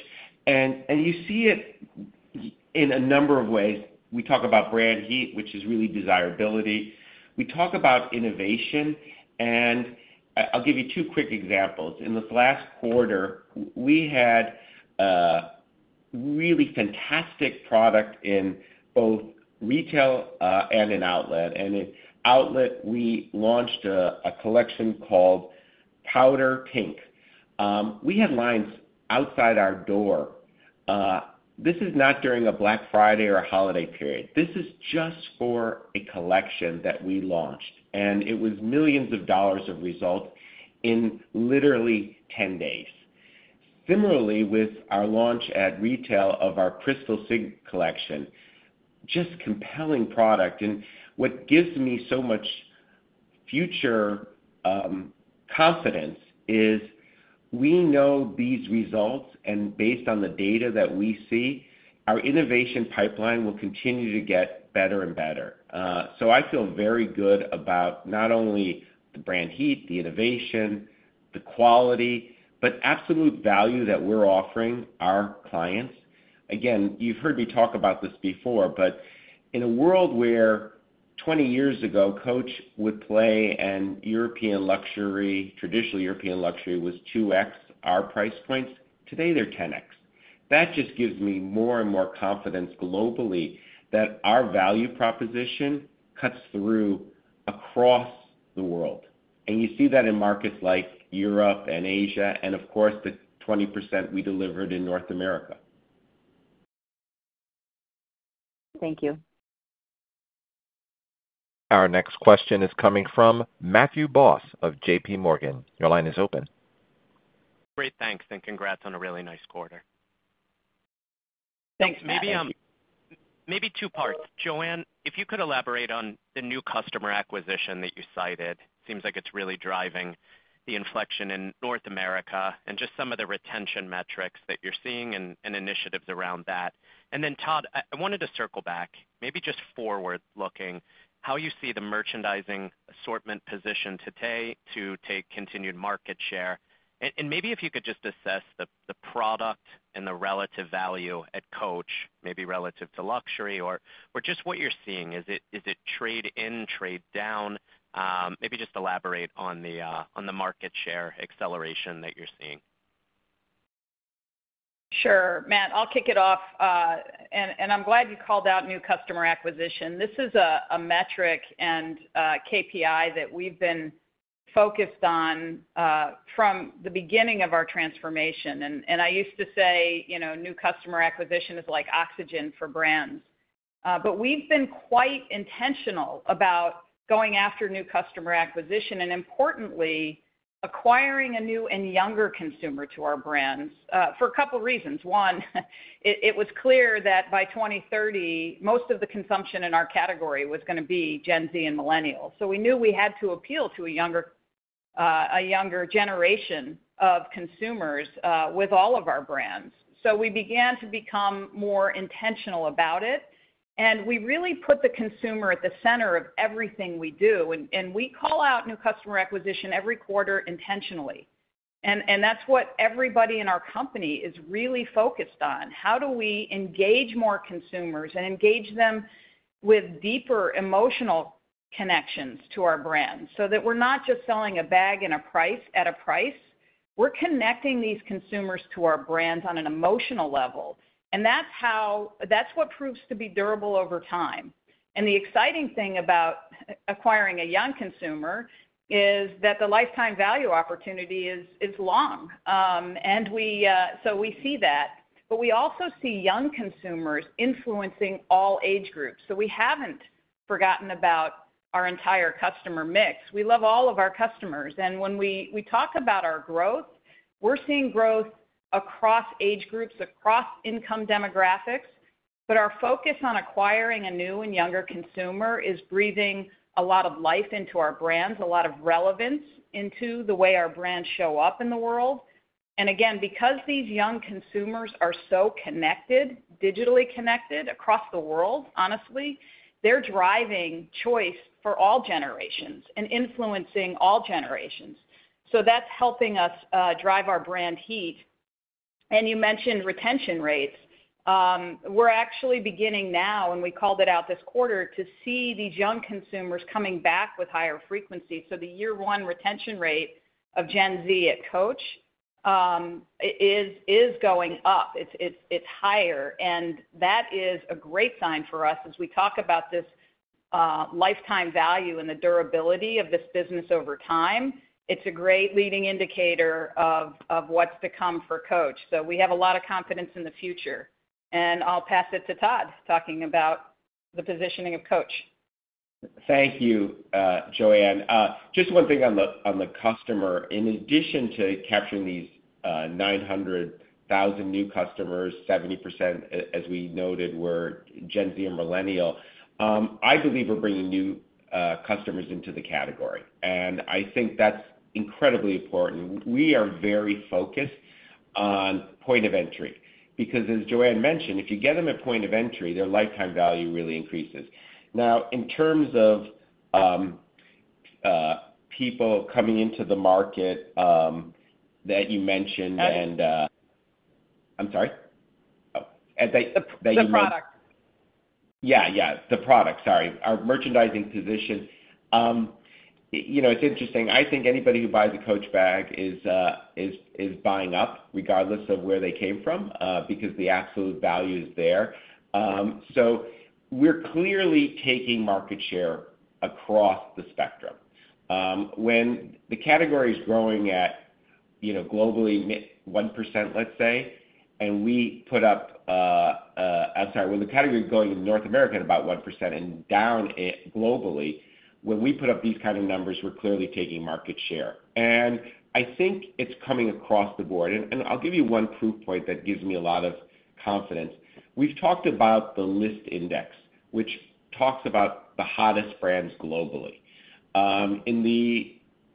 G: And you see it in a number of ways. We talk about brand heat, which is really desirability. We talk about innovation. And I'll give you two quick examples. In the last quarter, we had really fantastic product in both retail and in outlet. And in outlet, we launched a collection called Powder Pink. We had lines outside our door. This is not during a Black Friday or a holiday period. This is just for a collection that we launched. And it was millions of dollars of result in literally 10 days. Similarly, with our launch at retail of our Crystal Sig collection, just compelling product. And what gives me so much future confidence is we know these results, and based on the data that we see, our innovation pipeline will continue to get better and better. So I feel very good about not only the brand heat, the innovation, the quality, but absolute value that we're offering our clients. Again, you've heard me talk about this before, but in a world where 20 years ago, Coach would play in European luxury, traditional European luxury was 2x our price points. Today, they're 10x. That just gives me more and more confidence globally that our value proposition cuts through across the world. And you see that in markets like Europe and Asia, and of course, the 20% we delivered in North America.
F: Thank you.
A: Our next question is coming from Matthew Boss of JPMorgan. Your line is open.
H: Great. Thanks. And congrats on a really nice quarter. Thanks. Maybe two parts. Joanne, if you could elaborate on the new customer acquisition that you cited. It seems like it's really driving the inflection in North America and just some of the retention metrics that you're seeing and initiatives around that. And then, Todd, I wanted to circle back, maybe just forward-looking, how you see the merchandising assortment position today to take continued market share. And maybe if you could just assess the product and the relative value at Coach, maybe relative to luxury or just what you're seeing. Is it trade-in, trade-down? Maybe just elaborate on the market share acceleration that you're seeing.
C: Sure. Matt, I'll kick it off. And I'm glad you called out new customer acquisition. This is a metric and KPI that we've been focused on from the beginning of our transformation. And I used to say new customer acquisition is like oxygen for brands. But we've been quite intentional about going after new customer acquisition and, importantly, acquiring a new and younger consumer to our brands for a couple of reasons. One, it was clear that by 2030, most of the consumption in our category was going to be Gen Z and millennials. So we knew we had to appeal to a younger generation of consumers with all of our brands. So we began to become more intentional about it. And we really put the consumer at the center of everything we do. And we call out new customer acquisition every quarter intentionally. And that's what everybody in our company is really focused on. How do we engage more consumers and engage them with deeper emotional connections to our brands so that we're not just selling a bag at a price? We're connecting these consumers to our brands on an emotional level. That's what proves to be durable over time. The exciting thing about acquiring a young consumer is that the lifetime value opportunity is long. We see that. We also see young consumers influencing all age groups. We haven't forgotten about our entire customer mix. We love all of our customers. When we talk about our growth, we're seeing growth across age groups, across income demographics. Our focus on acquiring a new and younger consumer is breathing a lot of life into our brands, a lot of relevance into the way our brands show up in the world. Again, because these young consumers are so connected, digitally connected across the world, honestly, they're driving choice for all generations and influencing all generations. That's helping us drive our brand heat. You mentioned retention rates. We're actually beginning now, and we called it out this quarter, to see these young consumers coming back with higher frequency. So the year-one retention rate of Gen Z at Coach is going up. It's higher. And that is a great sign for us as we talk about this lifetime value and the durability of this business over time. It's a great leading indicator of what's to come for Coach. So we have a lot of confidence in the future. And I'll pass it to Todd talking about the positioning of Coach.
G: Thank you, Joanne. Just one thing on the customer. In addition to capturing these 900,000 new customers, 70%, as we noted, were Gen Z and millennial. I believe we're bringing new customers into the category. And I think that's incredibly important. We are very focused on point of entry because, as Joanne mentioned, if you get them at point of entry, their lifetime value really increases. Now, in terms of people coming into the market that you mentioned and I'm sorry?
C: The product.
G: Yeah, yeah. The product. Sorry. Our merchandising position. It's interesting. I think anybody who buys a Coach bag is buying up regardless of where they came from because the absolute value is there. So we're clearly taking market share across the spectrum. When the category is growing in North America at about 1% and down globally, when we put up these kind of numbers, we're clearly taking market share. And I think it's coming across the board. And I'll give you one proof point that gives me a lot of confidence. We've talked about the Lyst Index, which talks about the hottest brands globally. In the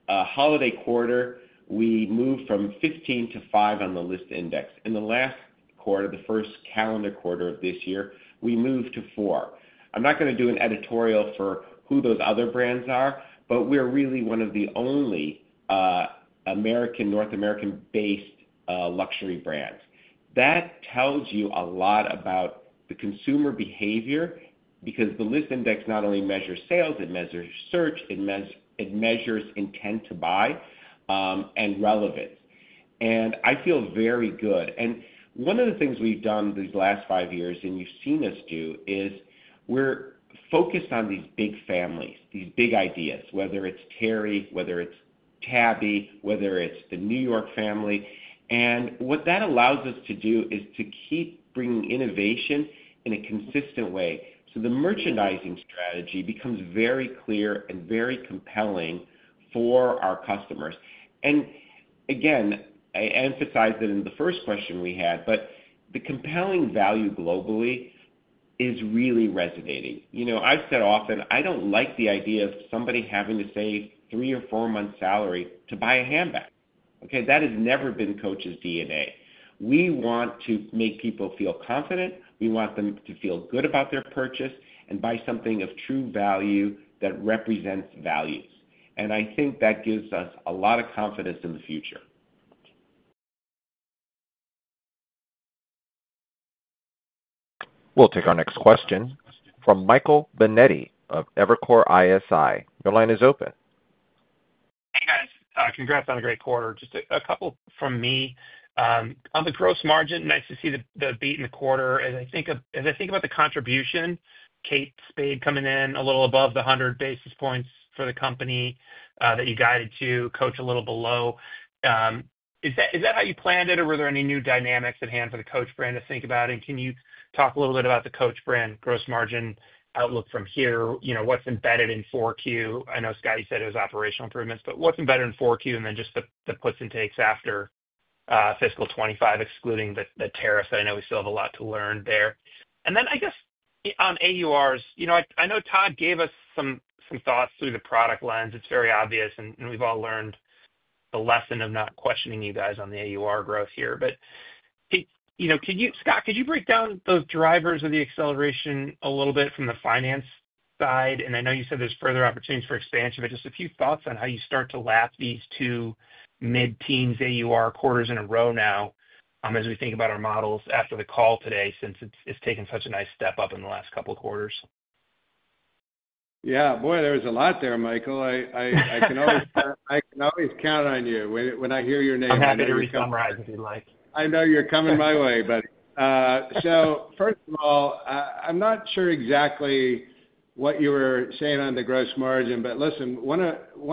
G: holiday quarter, we moved from 15 to five on the Lyst Index. In the last quarter, the first calendar quarter of this year, we moved to four. I'm not going to do an editorial for who those other brands are, but we're really one of the only North American-based luxury brands. That tells you a lot about the consumer behavior because the Lyst Index not only measures sales, it measures search, it measures intent to buy, and relevance, and I feel very good, and one of the things we've done these last five years, and you've seen us do, is we're focused on these big families, these big ideas, whether it's Teri, whether it's Tabby, whether it's the New York family. And what that allows us to do is to keep bringing innovation in a consistent way so the merchandising strategy becomes very clear and very compelling for our customers. And again, I emphasize that in the first question we had, but the compelling value globally is really resonating. I've said often, I don't like the idea of somebody having to save three or four months' salary to buy a handbag. Okay? That has never been Coach's DNA. We want to make people feel confident. We want them to feel good about their purchase and buy something of true value that represents values. And I think that gives us a lot of confidence in the future.
A: We'll take our next question from Michael Binetti of Evercore ISI. Your line is open.
I: Hey, guys. Congrats on a great quarter. Just a couple from me. On the gross margin, nice to see the beat in the quarter. As I think about the contribution, Kate Spade coming in a little above the 100 basis points for the company that you guided to, Coach a little below. Is that how you planned it, or were there any new dynamics at hand for the Coach brand to think about? And can you talk a little bit about the Coach brand gross margin outlook from here? What's embedded in 4Q? I know Scott said it was operational improvements, but what's embedded in 4Q and then just the puts and takes after fiscal 2025, excluding the tariffs? I know we still have a lot to learn there. And then I guess on AURs, I know Todd gave us some thoughts through the product lens. It's very obvious, and we've all learned the lesson of not questioning you guys on the AUR growth here. But Scott, could you break down those drivers of the acceleration a little bit from the finance side? And I know you said there's further opportunities for expansion, but just a few thoughts on how you start to lap these two mid-teens AUR quarters in a row now as we think about our models after the call today since it's taken such a nice step up in the last couple of quarters.
D: Yeah. Boy, there was a lot there, Michael. I can always count on you when I hear your name.
I: I'm happy to resummarize if you'd like.
D: I know you're coming my way, buddy. So first of all, I'm not sure exactly what you were saying on the gross margin, but listen, one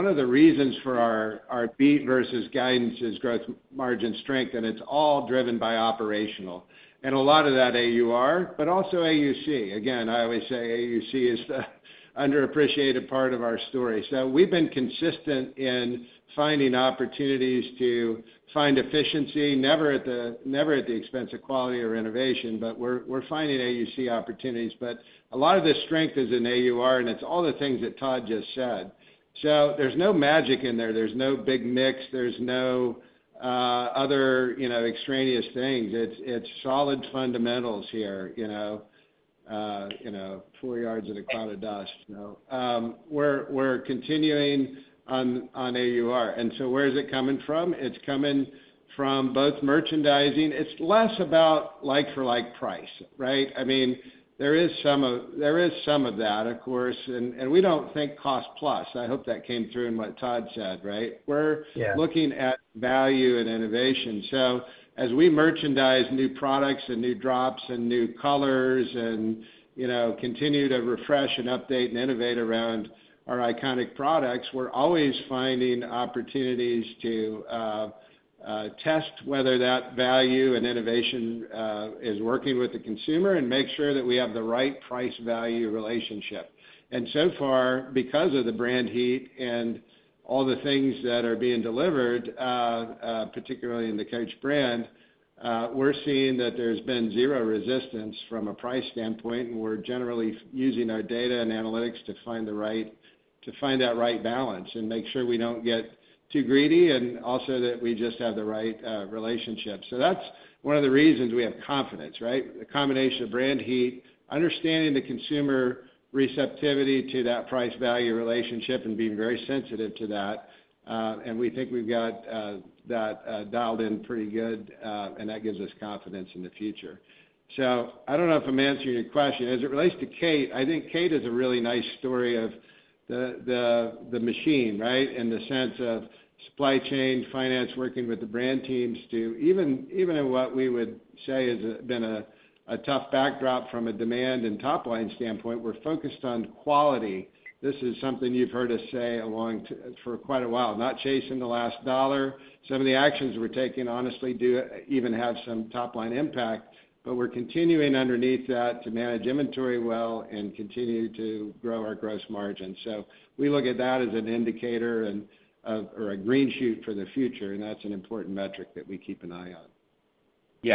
D: of the reasons for our beat versus guidance is gross margin strength, and it's all driven by operational. And a lot of that AUR, but also AUC. Again, I always say AUC is the underappreciated part of our story. So we've been consistent in finding opportunities to find efficiency, never at the expense of quality or innovation, but we're finding AUC opportunities. But a lot of this strength is in AUR, and it's all the things that Todd just said. So there's no magic in there. There's no big mix. There's no other extraneous things. It's solid fundamentals here, four yards in a cloud of dust. We're continuing on AUR. And so where is it coming from? It's coming from both merchandising. It's less about like-for-like price, right? I mean, there is some of that, of course. And we don't think cost-plus. I hope that came through in what Todd said, right? We're looking at value and innovation. So as we merchandise new products and new drops and new colors and continue to refresh and update and innovate around our iconic products, we're always finding opportunities to test whether that value and innovation is working with the consumer and make sure that we have the right price-value relationship. And so far, because of the brand heat and all the things that are being delivered, particularly in the Coach brand, we're seeing that there's been zero resistance from a price standpoint, and we're generally using our data and analytics to find that right balance and make sure we don't get too greedy and also that we just have the right relationship. So that's one of the reasons we have confidence, right? The combination of brand heat, understanding the consumer receptivity to that price-value relationship, and being very sensitive to that. And we think we've got that dialed in pretty good, and that gives us confidence in the future. So I don't know if I'm answering your question. As it relates to Kate, I think Kate is a really nice story of the machine, right, in the sense of supply chain, finance working with the brand teams to even in what we would say has been a tough backdrop from a demand and top line standpoint, we're focused on quality. This is something you've heard us say for quite a while. Not chasing the last dollar. Some of the actions we're taking honestly do even have some top-line impact, but we're continuing underneath that to manage inventory well and continue to grow our gross margin. So we look at that as an indicator or a green shoot for the future, and that's an important metric that we keep an eye on.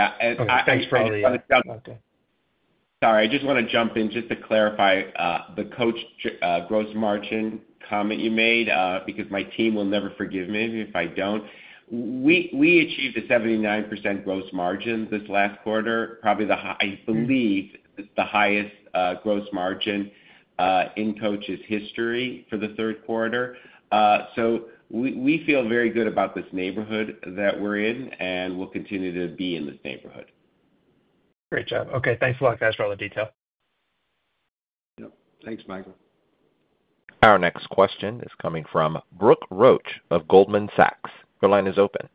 G: I just want to jump in just to clarify the Coach gross margin comment you made because my team will never forgive me if I don't. We achieved a 79% gross margin this last quarter, probably the, I believe, the highest gross margin in Coach's history for the third quarter. So we feel very good about this neighborhood that we're in, and we'll continue to be in this neighborhood.
I: Great job. Okay. Thanks a lot, guys, for all the detail.
D: Yep. Thanks, Michael.
A: Our next question is coming from Brooke Roach of Goldman Sachs. Your line is open.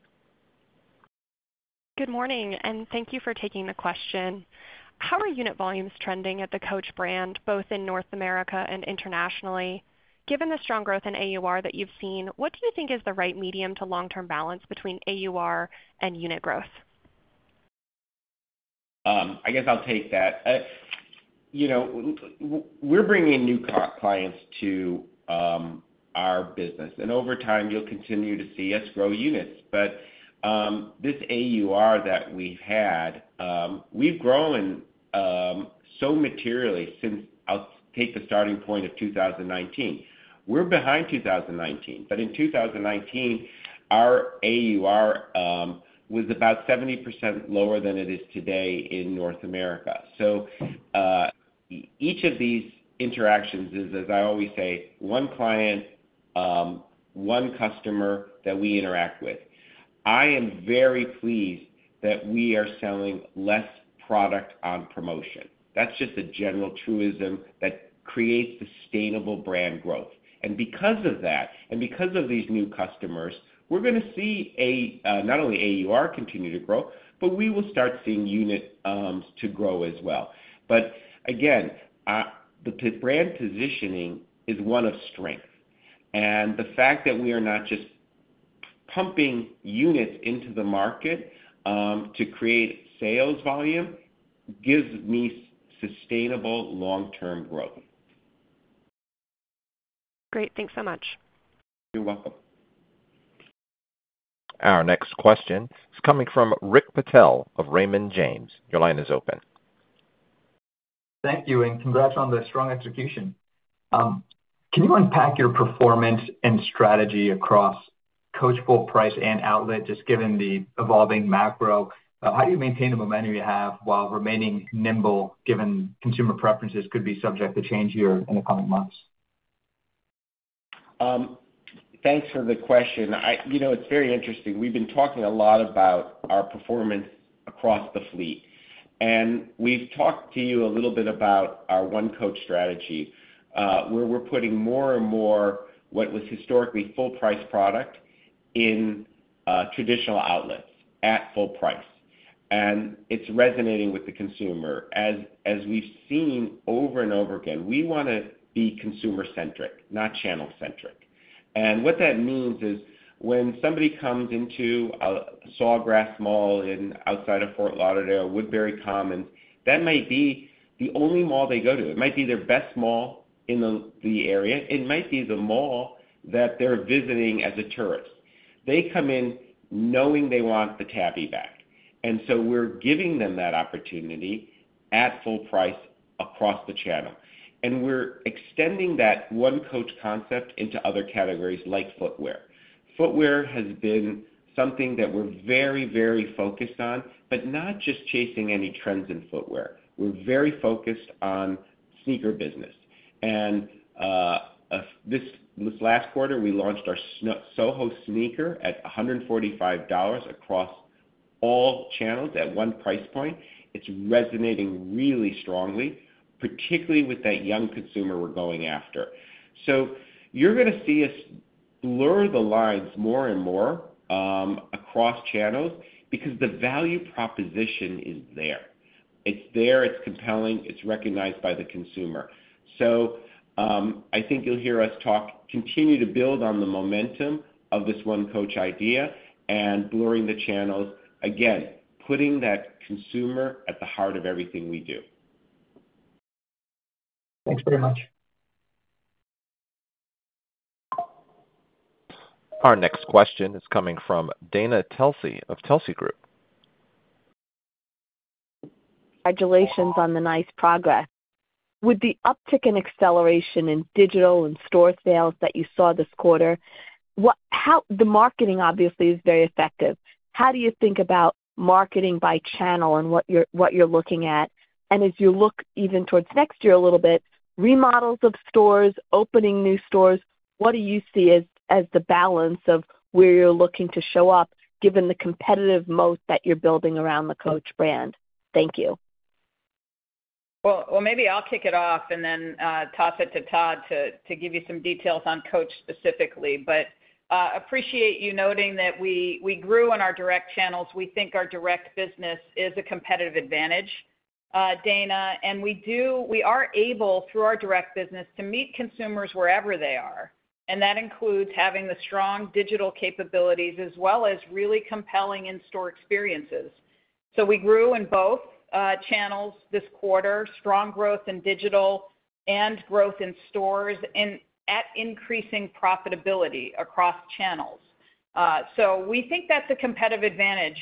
J: Good morning, and thank you for taking the question. How are unit volumes trending at the Coach brand, both in North America and internationally? Given the strong growth in AUR that you've seen, what do you think is the right medium- to long-term balance between AUR and unit growth?
D: I guess I'll take that. We're bringing new clients to our business, and over time, you'll continue to see us grow units. But this AUR that we've had, we've grown so materially since I'll take the starting point of 2019. We're behind 2019, but in 2019, our AUR was about 70% lower than it is today in North America. So each of these interactions is, as I always say, one client, one customer that we interact with. I am very pleased that we are selling less product on promotion. That's just a general truism that creates sustainable brand growth. And because of that, and because of these new customers, we're going to see not only AUR continue to grow, but we will start seeing units to grow as well. But again, the brand positioning is one of strength. And the fact that we are not just pumping units into the market to create sales volume gives me sustainable long-term growth.
J: Great. Thanks so much.
D: You're welcome.
A: Our next question is coming from Rick Patel of Raymond James. Your line is open.
K: Thank you, and congrats on the strong execution. Can you unpack your performance and strategy across Coach full price and outlet, just given the evolving macro? How do you maintain the momentum you have while remaining nimble, given consumer preferences could be subject to change here in the coming months?
G: Thanks for the question. It's very interesting. We've been talking a lot about our performance across the fleet, and we've talked to you a little bit about our one Coach strategy, where we're putting more and more what was historically full-price product in traditional outlets at full price. And it's resonating with the consumer. As we've seen over and over again, we want to be consumer-centric, not channel-centric. And what that means is when somebody comes into a Sawgrass Mills outside of Fort Lauderdale, Woodbury Commons, that might be the only mall they go to. It might be their best mall in the area. It might be the mall that they're visiting as a tourist. They come in knowing they want the Tabby bag. And so we're giving them that opportunity at full price across the channel. And we're extending that one Coach concept into other categories like footwear. Footwear has been something that we're very, very focused on, but not just chasing any trends in footwear. We're very focused on sneaker business. And this last quarter, we launched our Soho sneaker at $145 across all channels at one price point. It's resonating really strongly, particularly with that young consumer we're going after. So you're going to see us blur the lines more and more across channels because the value proposition is there. It's there. It's compelling. It's recognized by the consumer. So I think you'll hear us continue to build on the momentum of this one Coach idea and blurring the channels, again, putting that consumer at the heart of everything we do.
K: Thanks very much.
A: Our next question is coming from Dana Telsey of Telsey Group.
L: Congratulations on the nice progress. With the uptick in acceleration in digital and store sales that you saw this quarter, the marketing obviously is very effective. How do you think about marketing by channel and what you're looking at? And as you look even towards next year a little bit, remodels of stores, opening new stores, what do you see as the balance of where you're looking to show up given the competitive moat that you're building around the Coach brand? Thank you.
C: Well, maybe I'll kick it off and then toss it to Todd to give you some details on Coach specifically, but appreciate you noting that we grew in our direct channels. We think our direct business is a competitive advantage, Dana. And we are able, through our direct business, to meet consumers wherever they are. That includes having the strong digital capabilities as well as really compelling in-store experiences. We grew in both channels this quarter, strong growth in digital and growth in stores and at increasing profitability across channels. We think that's a competitive advantage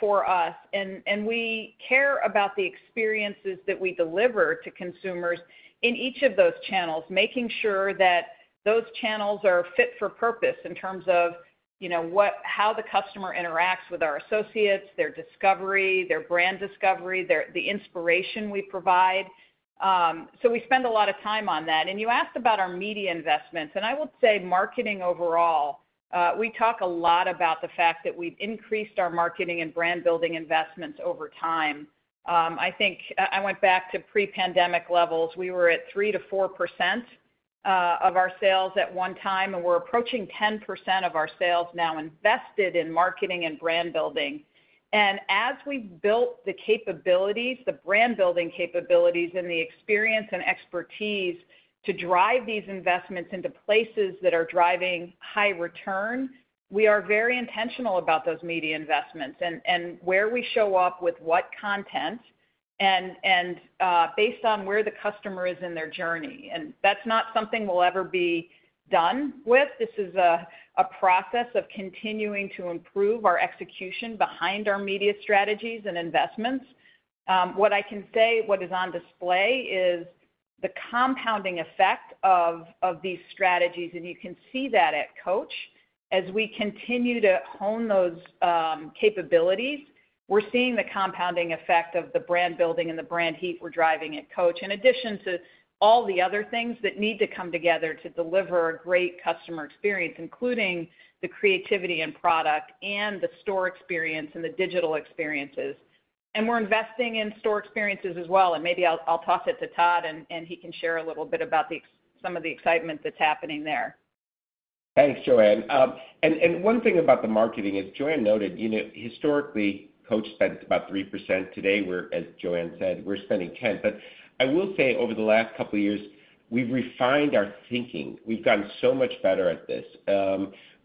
C: for us, and we care about the experiences that we deliver to consumers in each of those channels, making sure that those channels are fit for purpose in terms of how the customer interacts with our associates, their discovery, their brand discovery, the inspiration we provide. We spend a lot of time on that. You asked about our media investments, and I would say marketing overall, we talk a lot about the fact that we've increased our marketing and brand-building investments over time. I think I went back to pre-pandemic levels. We were at 3%-4% of our sales at one time, and we're approaching 10% of our sales now invested in marketing and brand-building. And as we've built the capabilities, the brand-building capabilities, and the experience and expertise to drive these investments into places that are driving high return, we are very intentional about those media investments and where we show up with what content and based on where the customer is in their journey. And that's not something we'll ever be done with. This is a process of continuing to improve our execution behind our media strategies and investments. What I can say, what is on display is the compounding effect of these strategies, and you can see that at Coach. As we continue to hone those capabilities, we're seeing the compounding effect of the brand-building and the brand heat we're driving at Coach, in addition to all the other things that need to come together to deliver a great customer experience, including the creativity and product and the store experience and the digital experiences. We're investing in store experiences as well. Maybe I'll toss it to Todd, and he can share a little bit about some of the excitement that's happening there.
G: Thanks, Joanne. One thing about the marketing as Joanne noted, historically, Coach spent about 3%. Today, as Joanne said, we're spending 10%. But I will say, over the last couple of years, we've refined our thinking. We've gotten so much better at this.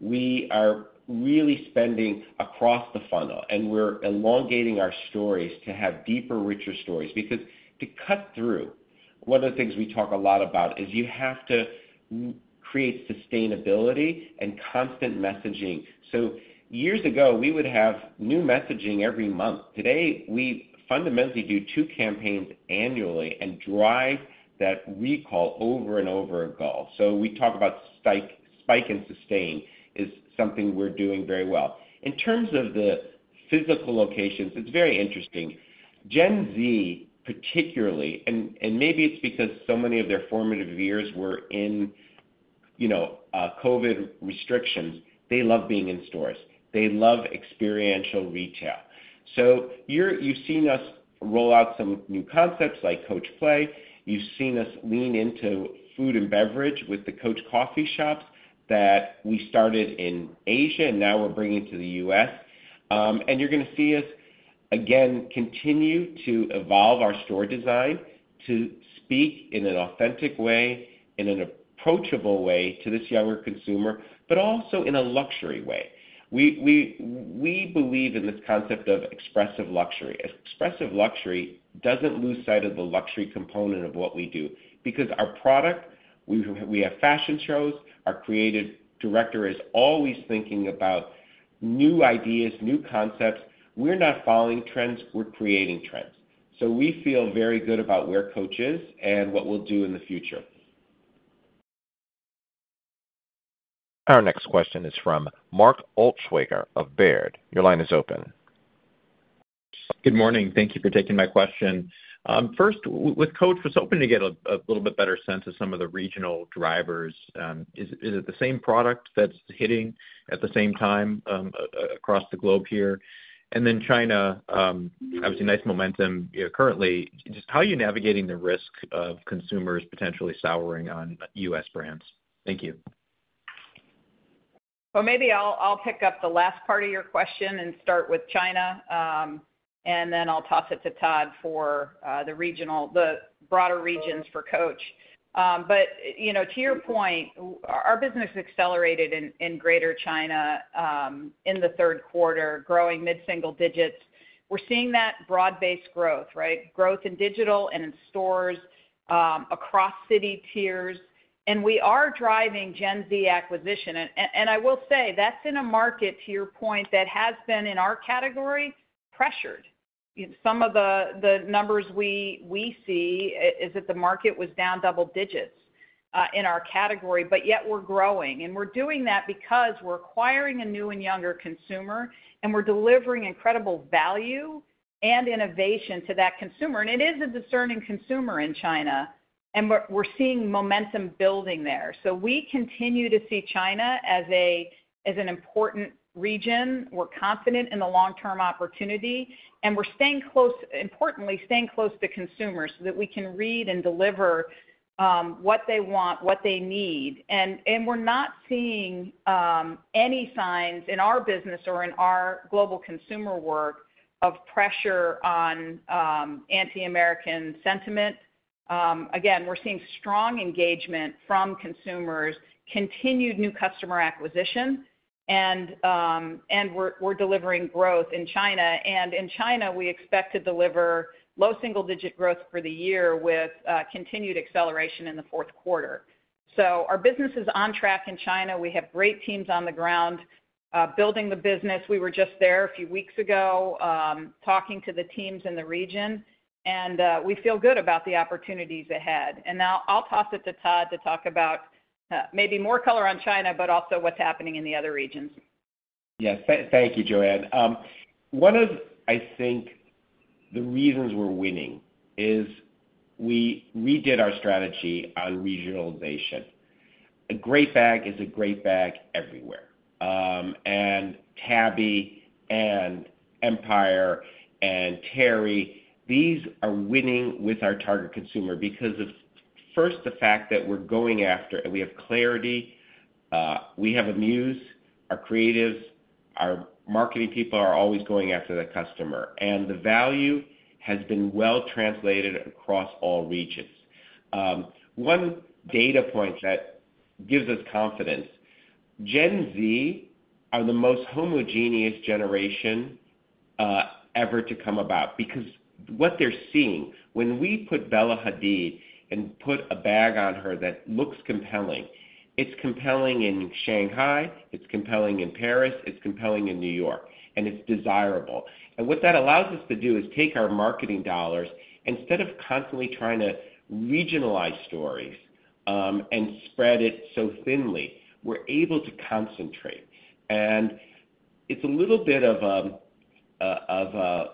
G: We are really spending across the funnel, and we're elongating our stories to have deeper, richer stories. Because to cut through, one of the things we talk a lot about is you have to create sustainability and constant messaging. So years ago, we would have new messaging every month. Today, we fundamentally do two campaigns annually and drive that recall over and over and go. So we talk about spike and sustain is something we're doing very well. In terms of the physical locations, it's very interesting. Gen Z, particularly, and maybe it's because so many of their formative years were in COVID restrictions, they love being in stores. They love experiential retail. So you've seen us roll out some new concepts like Coach Play. You've seen us lean into food and beverage with the Coach coffee shops that we started in Asia, and now we're bringing to the U.S. You're going to see us, again, continue to evolve our store design to speak in an authentic way, in an approachable way to this younger consumer, but also in a luxury way. We believe in this concept of expressive luxury. Expressive luxury doesn't lose sight of the luxury component of what we do because our product, we have fashion shows. Our creative director is always thinking about new ideas, new concepts. We're not following trends. We're creating trends. So we feel very good about where Coach is and what we'll do in the future.
A: Our next question is from Mark Altschwager of Baird. Your line is open.
M: Good morning. Thank you for taking my question. First, with Coach, we're hoping to get a little bit better sense of some of the regional drivers. Is it the same product that's hitting at the same time across the globe here? And then China, obviously, nice momentum currently. Just how are you navigating the risk of consumers potentially souring on U.S. brands? Thank you.
C: Well, maybe I'll pick up the last part of your question and start with China, and then I'll toss it to Todd for the broader regions for Coach. But to your point, our business accelerated in Greater China in the third quarter, growing mid-single digits. We're seeing that broad-based growth, right? Growth in digital and in stores across city tiers. And we are driving Gen Z acquisition. And I will say that's in a market, to your point, that has been, in our category, pressured. Some of the numbers we see is that the market was down double digits in our category, but yet we're growing. And we're doing that because we're acquiring a new and younger consumer, and we're delivering incredible value and innovation to that consumer. And it is a discerning consumer in China, and we're seeing momentum building there. So we continue to see China as an important region. We're confident in the long-term opportunity, and we're importantly staying close to consumers so that we can read and deliver what they want, what they need. And we're not seeing any signs in our business or in our global consumer work of pressure on anti-American sentiment. Again, we're seeing strong engagement from consumers, continued new customer acquisition, and we're delivering growth in China. And in China, we expect to deliver low single-digit growth for the year with continued acceleration in the fourth quarter. So our business is on track in China. We have great teams on the ground building the business. We were just there a few weeks ago talking to the teams in the region, and we feel good about the opportunities ahead. And now I'll toss it to Todd to talk about maybe more color on China, but also what's happening in the other regions.
G: Yes. Thank you, Joanne. One of, I think, the reasons we're winning is we redid our strategy on regionalization. A great bag is a great bag everywhere. And Tabby and Empire and Teri, these are winning with our target consumer because of, first, the fact that we're going after, and we have clarity. We have a muse, our creatives, our marketing people are always going after the customer. And the value has been well translated across all regions. One data point that gives us confidence: Gen Z are the most homogeneous generation ever to come about because what they're seeing when we put Bella Hadid and put a bag on her that looks compelling, it's compelling in Shanghai, it's compelling in Paris, it's compelling in New York, and it's desirable. And what that allows us to do is take our marketing dollars instead of constantly trying to regionalize stories and spread it so thinly, we're able to concentrate. And it's a little bit of a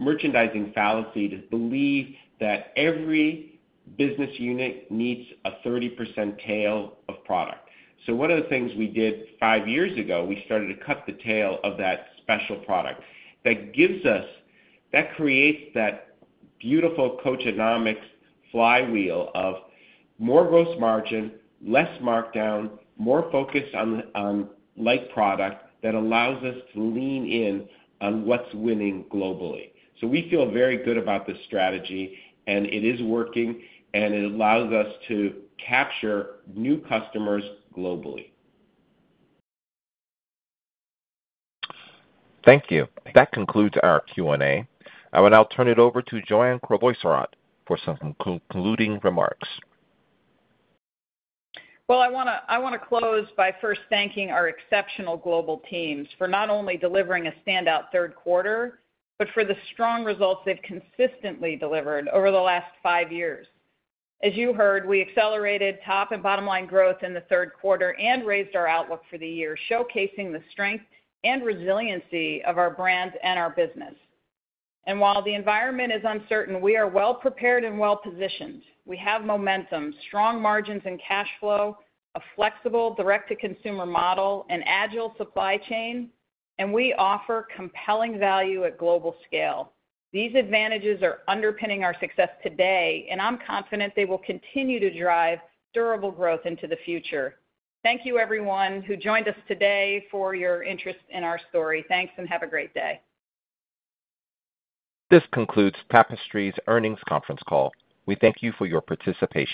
G: merchandising fallacy to believe that every business unit needs a 30% tail of product. So one of the things we did five years ago, we started to cut the tail of that special product. That creates that beautiful Coachonomics flywheel of more gross margin, less markdown, more focus on light product that allows us to lean in on what's winning globally. So we feel very good about this strategy, and it is working, and it allows us to capture new customers globally.
A: Thank you. That concludes our Q&A, and I'll turn it over to Joanne Crevoiserat for some concluding remarks.
C: Well, I want to close by first thanking our exceptional global teams for not only delivering a standout third quarter, but for the strong results they've consistently delivered over the last five years. As you heard, we accelerated top- and bottom-line growth in the third quarter and raised our outlook for the year, showcasing the strength and resiliency of our brand and our business. And while the environment is uncertain, we are well-prepared and well-positioned. We have momentum, strong margins and cash flow, a flexible direct-to-consumer model, and agile supply chain, and we offer compelling value at global scale. These advantages are underpinning our success today, and I'm confident they will continue to drive durable growth into the future. Thank you, everyone who joined us today for your interest in our story. Thanks, and have a great day.
A: This concludes Tapestry's earnings conference call. We thank you for your participation.